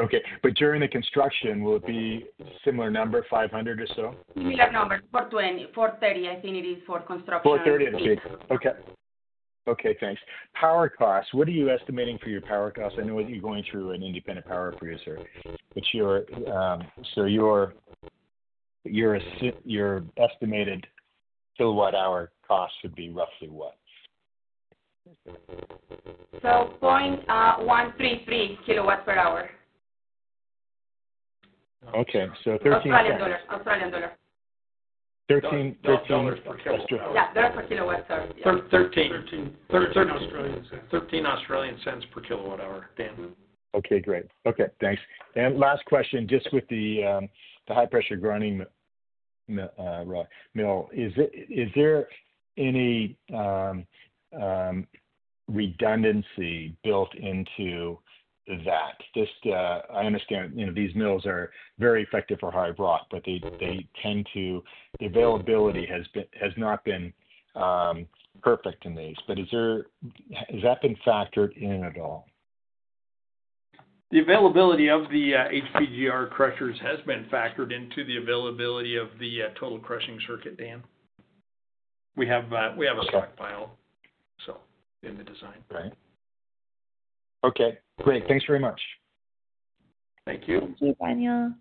Okay, during the construction, will it be a similar number, 500 or so? Similar number. $430 million, I think it is for construction. 430 at the peak. Okay. Okay. Thanks. Power costs. What are you estimating for your power costs? I know that you're going through an independent power producer. Your estimated kilowatt-hour cost would be roughly what? 0.133 kilowatts per hour. Okay, so $13. Australian dollar. $13 per KW. Yeah, that's per kilowatt. Sorry. $0.13 Australian per kilowatt-hour, Dan. Okay. Great. Okay. Thanks. Last question, just with the high-pressure grinding mill, is there any redundancy built into that? I understand, you know, these mills are very effective for hard rock, but they tend to, the availability has not been perfect in these. Has that been factored in at all? The availability of the HPGR crushers has been factored into the availability of the total crushing circuit, Dan. We have a stockpile in the design. Right. Okay, great. Thanks very much. Thank you. Thank you, Daniel.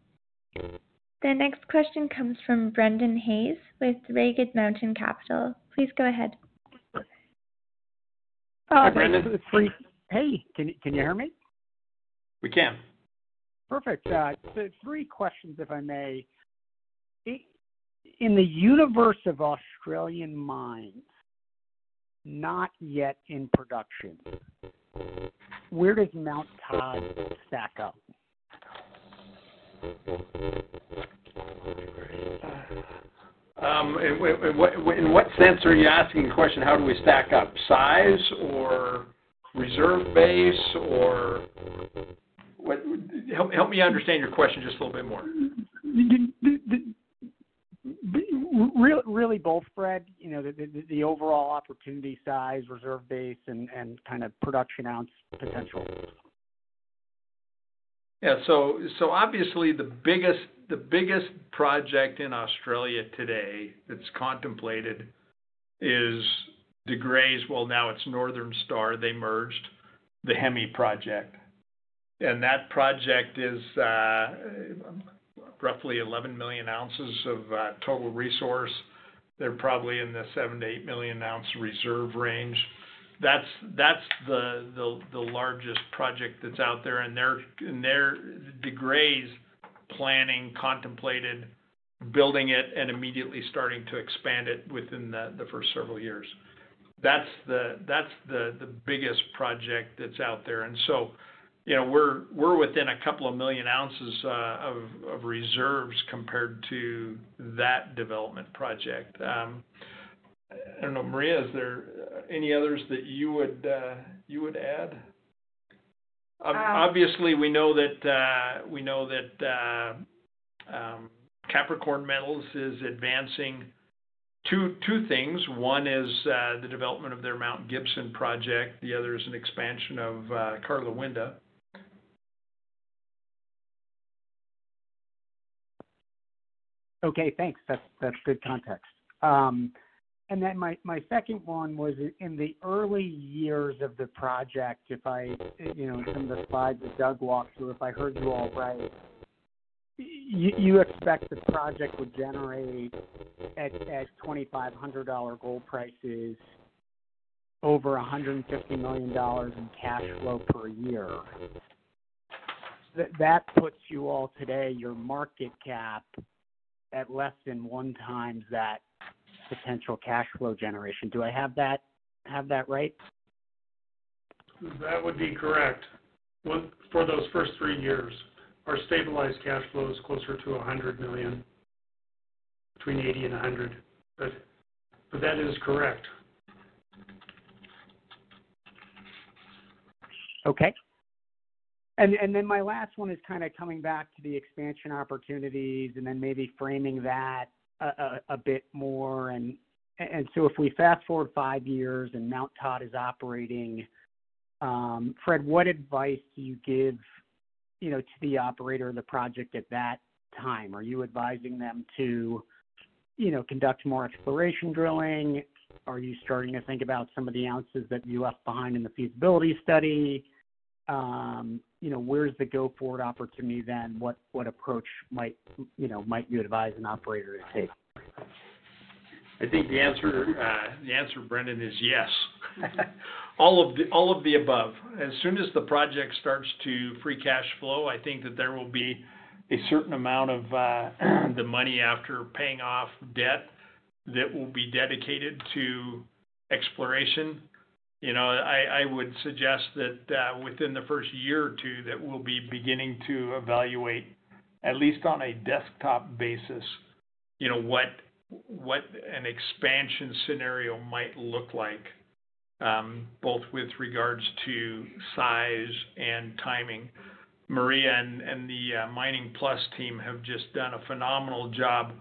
The next question comes from Brendan Hayes with Ragged Mountain Capital. Please go ahead. Brendan, it's three. Can you hear me? We can. Perfect. Three questions, if I may. In the universe of Australian mines, not yet in production, where does Mt Todd stack up? In what sense are you asking the question? How do we stack up? Size or reserve base or what? Help me understand your question just a little bit more. Really, really both, Fred. You know, the overall opportunity size, reserve base, and kind of production ounce potential. Yeah. Obviously, the biggest project in Australia today that's contemplated is De Grey's—well, now it's Northern Star, they merged—the HEMI project. That project is roughly 11 million ounces of total resource. They're probably in the 7 to 8 million ounce reserve range. That's the largest project that's out there. They're, De Grey's, planning, contemplated, building it, and immediately starting to expand it within the first several years. That's the biggest project that's out there. We're within a couple of million ounces of reserves compared to that development project. I don't know. Maria, is there any others that you would add? Obviously, we know that Capricorn Metals is advancing two things. One is the development of their Mount Gibson project. The other is an expansion of Carlawinda. Okay. Thanks. That's good context. My second one was in the early years of the project, if I, from the slides that Doug walked through, if I heard you all right, you expect the project would generate at $2,500 gold prices over $150 million in cash flow per year. That puts you all today, your market cap at less than one times that potential cash flow generation. Do I have that right? That would be correct. For those first three years, our stabilized cash flow is closer to $100 million, between $80 million and $100 million. That is correct. Okay. My last one is kind of coming back to the expansion opportunities and maybe framing that a bit more. If we fast-forward five years and Mt Todd is operating, Fred, what advice do you give to the operator of the project at that time? Are you advising them to conduct more exploration drilling? Are you starting to think about some of the ounces that you left behind in the feasibility study? Where's the go-forward opportunity then? What approach might you advise an operator to take? Answer, Brendan, is yes. All of the above. As soon as the project starts to free cash flow, I think that there will be a certain amount of the money after paying off debt that will be dedicated to exploration. I would suggest that within the first year or two, that we'll be beginning to evaluate, at least on a desktop basis, what an expansion scenario might look like, both with regards to size and timing. Maria and the Mining Plus team have just done a phenomenal job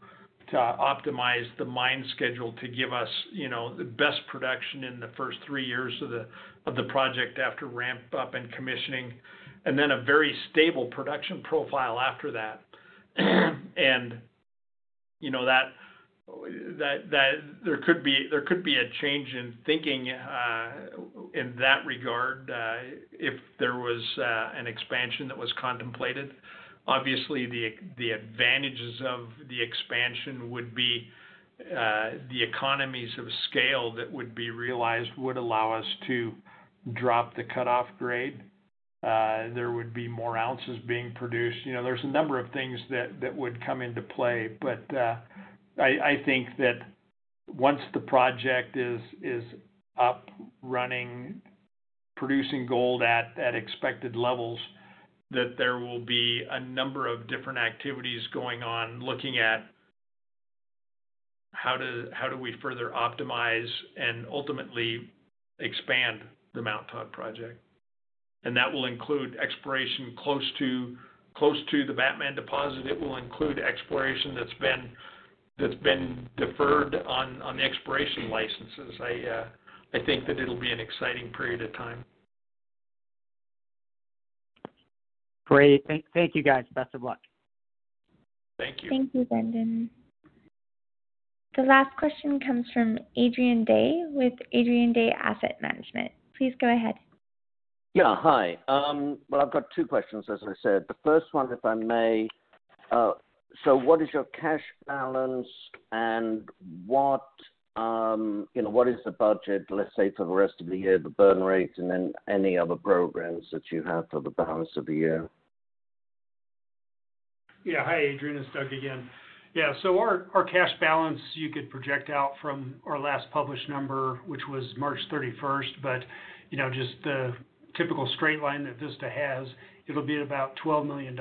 to optimize the mine schedule to give us the best production in the first three years of the project after ramp-up and commissioning, and then a very stable production profile after that. There could be a change in thinking in that regard if there was an expansion that was contemplated. Obviously, the advantages of the expansion would be the economies of scale that would be realized would allow us to drop the cutoff grade. There would be more ounces being produced. There are a number of things that would come into play. I think that once the project is up, running, producing gold at expected levels, there will be a number of different activities going on looking at how do we further optimize and ultimately expand the Mt Todd project. That will include exploration close to the Batman deposit. It will include exploration that's been deferred on the exploration licenses. I think that it'll be an exciting period of time. Great. Thank you, guys. Best of luck. Thank you. Thank you, Brendan. The last question comes from Adrian Day with Adrian Day Asset Management. Please go ahead. Hi. I've got two questions, as I said. The first one, if I may, what is your cash balance and what is the budget, let's say, for the rest of the year, the burn rate, and then any other programs that you have for the balance of the year? Yeah. Hi, Adrian. It's Doug again. Our cash balance, you could project out from our last published number, which was March 31. Just the typical straight line that Vista has, it'll be about $12 million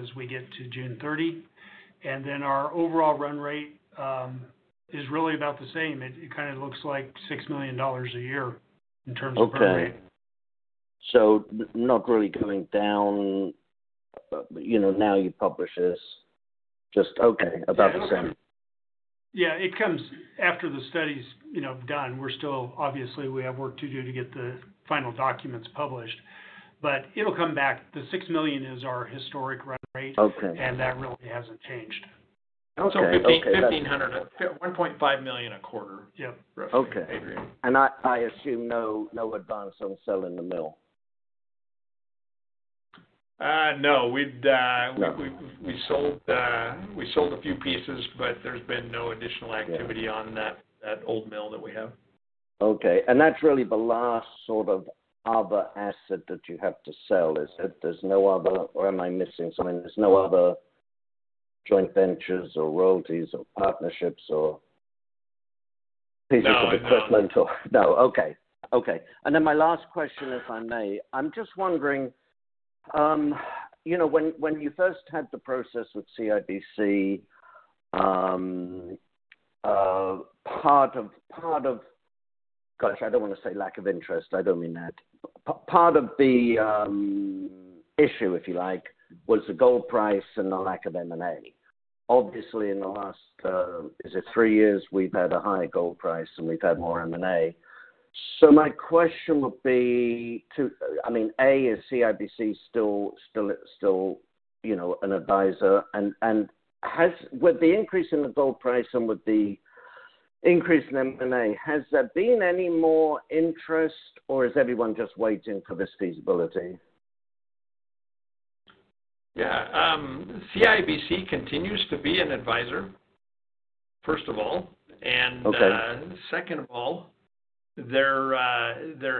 as we get to June 30. Our overall run rate is really about the same. It kind of looks like $6 million a year in terms of run rate. Okay, not really going down. Now you publish this, just about the same. Yeah. It comes after the study's done. We're still, obviously, we have work to do to get the final documents published. It'll come back. The $6 million is our historic run rate. Okay, and that really hasn't changed. Okay. It's $1.5 million a quarter, yep. Okay. I assume no advance on selling the mill? No, we sold a few pieces, but there's been no additional activity on that old mill that we have. Okay. That's really the last sort of other asset that you have to sell. Is that, there's no other, or am I missing something? There's no other joint ventures or royalties or partnerships or physical equipment? No. Okay. My last question, if I may, I'm just wondering, you know, when you first had the process with CIBC, part of, gosh, I don't want to say lack of interest. I don't mean that. Part of the issue, if you like, was the gold price and the lack of M&A. Obviously, in the last, is it three years, we've had a higher gold price and we've had more M&A. My question would be, I mean, A, is CIBC still, you know, an advisor? Has the increase in the gold price and the increase in M&A led to any more interest or is everyone just waiting for this feasibility? Yeah. CIBC continues to be an advisor, first of all. Second of all, there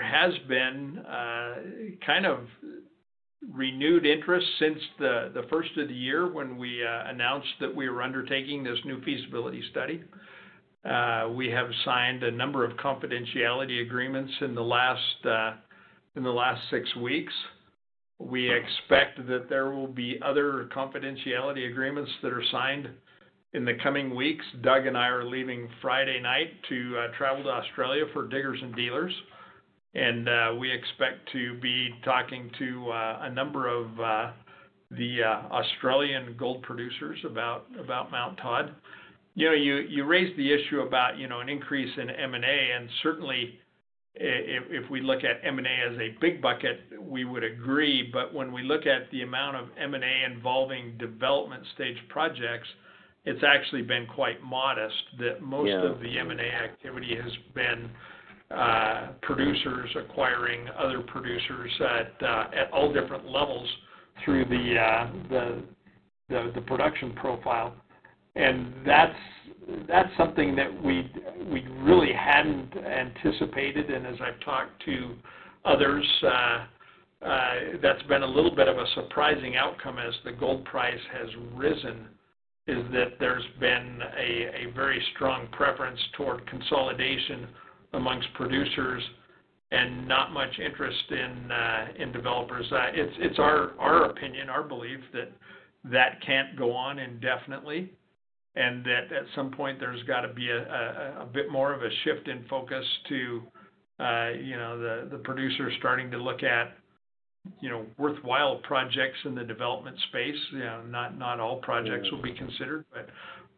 has been kind of renewed interest since the first of the year when we announced that we were undertaking this new feasibility study. We have signed a number of confidentiality agreements in the last six weeks. We expect that there will be other confidentiality agreements that are signed in the coming weeks. Doug and I are leaving Friday night to travel to Australia for Diggers and Dealers. We expect to be talking to a number of the Australian gold producers about Mt Todd. You raised the issue about an increase in M&A. Certainly, if we look at M&A as a big bucket, we would agree. When we look at the amount of M&A involving development stage projects, it's actually been quite modest. Most of the M&A activity has been producers acquiring other producers at all different levels through the production profile. That's something that we really hadn't anticipated. As I've talked to others, that's been a little bit of a surprising outcome as the gold price has risen, that there's been a very strong preference toward consolidation amongst producers and not much interest in developers. It's our opinion, our belief that that can't go on indefinitely. At some point, there's got to be a bit more of a shift in focus to the producers starting to look at worthwhile projects in the development space. Not all projects will be considered, but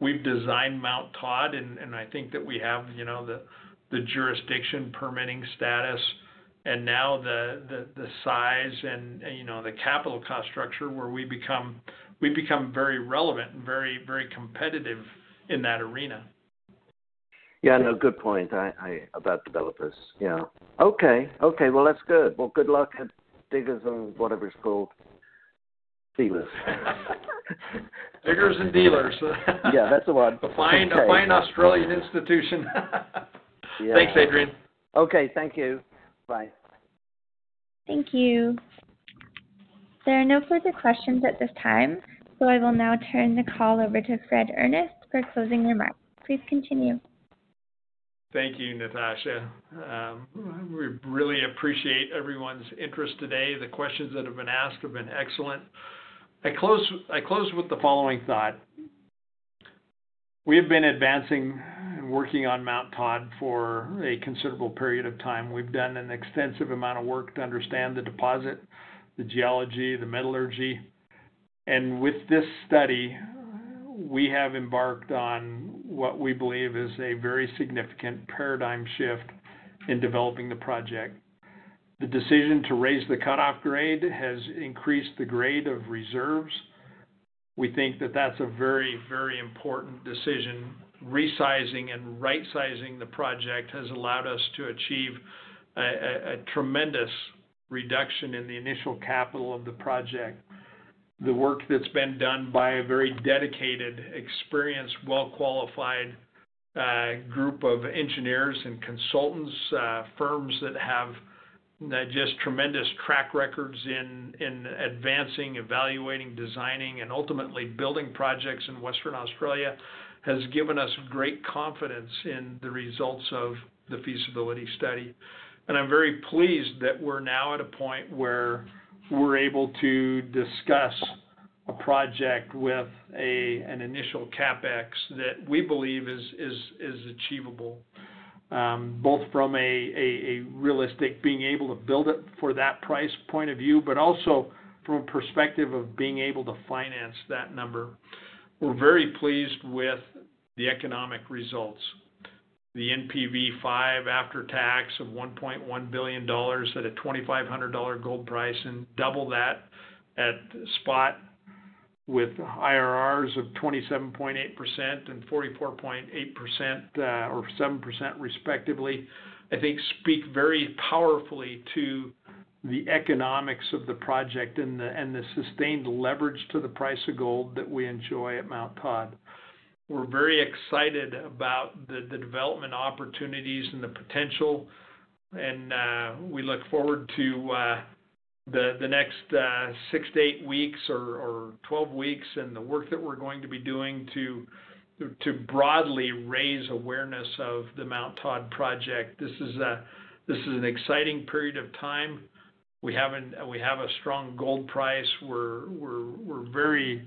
we've designed Mt Todd, and I think that we have the jurisdiction permitting status. Now the size and the capital cost structure where we become, we've become very relevant and very, very competitive in that arena. Yeah. No, good point about developers. Okay. That's good. Good luck at Diggers and Dealers. Diggers and Dealers. Yeah, that's the one. A fine Australian institution. Yeah. Thanks, Adrian. Okay, thank you. Bye. Thank you. There are no further questions at this time. I will now turn the call over to Fred Earnest for closing remarks. Please continue. Thank you, Natasha. We really appreciate everyone's interest today. The questions that have been asked have been excellent. I close with the following thought. We have been advancing and working on Mt Todd for a considerable period of time. We've done an extensive amount of work to understand the deposit, the geology, the metallurgy. With this study, we have embarked on what we believe is a very significant paradigm shift in developing the project. The decision to raise the cutoff grade has increased the grade of reserves. We think that that's a very, very important decision. Resizing and right-sizing the project has allowed us to achieve a tremendous reduction in the initial capital of the project. The work that's been done by a very dedicated, experienced, well-qualified group of engineers and consultants, firms that have just tremendous track records in advancing, evaluating, designing, and ultimately building projects in Western Australia has given us great confidence in the results of the feasibility study. I'm very pleased that we're now at a point where we're able to discuss a project with an initial CapEx that we believe is achievable, both from a realistic being able to build it for that price point of view, but also from a perspective of being able to finance that number. We're very pleased with the economic results. The after-tax NPV (5%) of $1.1 billion at a $2,500 gold price and double that at the spot with IRRs of 27.8% and 44.8% or 7% respectively, I think, speak very powerfully to the economics of the project and the sustained leverage to the price of gold that we enjoy at Mt Todd. We're very excited about the development opportunities and the potential. We look forward to the next 6 to 8 weeks or 12 weeks and the work that we're going to be doing to broadly raise awareness of the Mt Todd project. This is an exciting period of time. We have a strong gold price. We're very,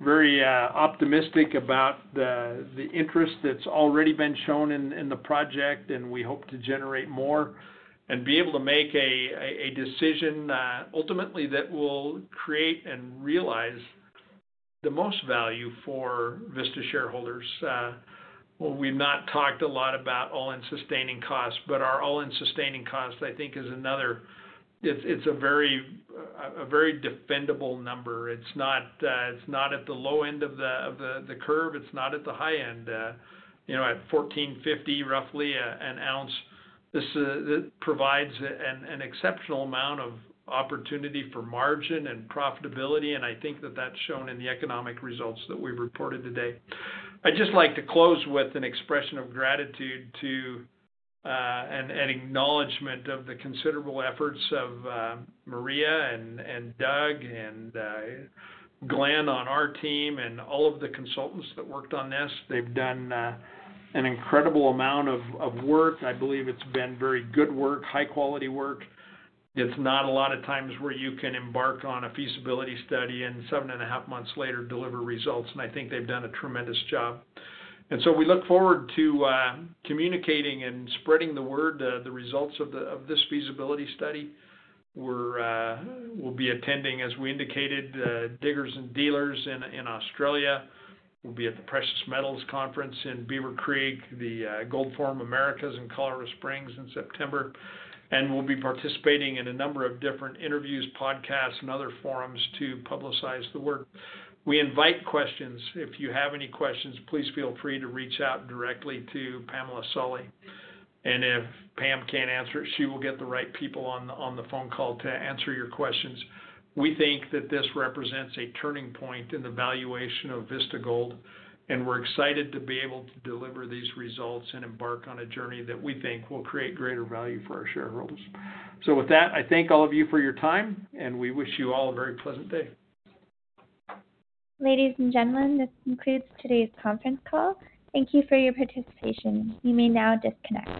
very optimistic about the interest that's already been shown in the project. We hope to generate more and be able to make a decision ultimately that will create and realize the most value for Vista shareholders. We've not talked a lot about all-in sustaining costs, but our all-in sustaining cost, I think, is another. It's a very defendable number. It's not at the low end of the curve. It's not at the high end. At $1,450 roughly an ounce, this provides an exceptional amount of opportunity for margin and profitability. I think that that's shown in the economic results that we reported today. I'd just like to close with an expression of gratitude and acknowledgment of the considerable efforts of Maria, Doug, and Glen on our team and all of the consultants that worked on this. They've done an incredible amount of work. I believe it's been very good work, high-quality work. It's not a lot of times where you can embark on a feasibility study and seven and a half months later deliver results. I think they've done a tremendous job. We look forward to communicating and spreading the word, the results of this feasibility study. We'll be attending, as we indicated, Diggers and Dealers in Australia. We'll be at the Precious Metals Conference in Beaver Creek, the Gold Forum Americas in Colorado Springs in September. We'll be participating in a number of different interviews, podcasts, and other forums to publicize the work. We invite questions. If you have any questions, please feel free to reach out directly to Pamela Solly. If Pam can't answer it, she will get the right people on the phone call to answer your questions. We think that this represents a turning point in the valuation of Vista Gold. We're excited to be able to deliver these results and embark on a journey that we think will create greater value for our shareholders. With that, I thank all of you for your time, and we wish you all a very pleasant day. Ladies and gentlemen, this concludes today's conference call. Thank you for your participation. You may now disconnect.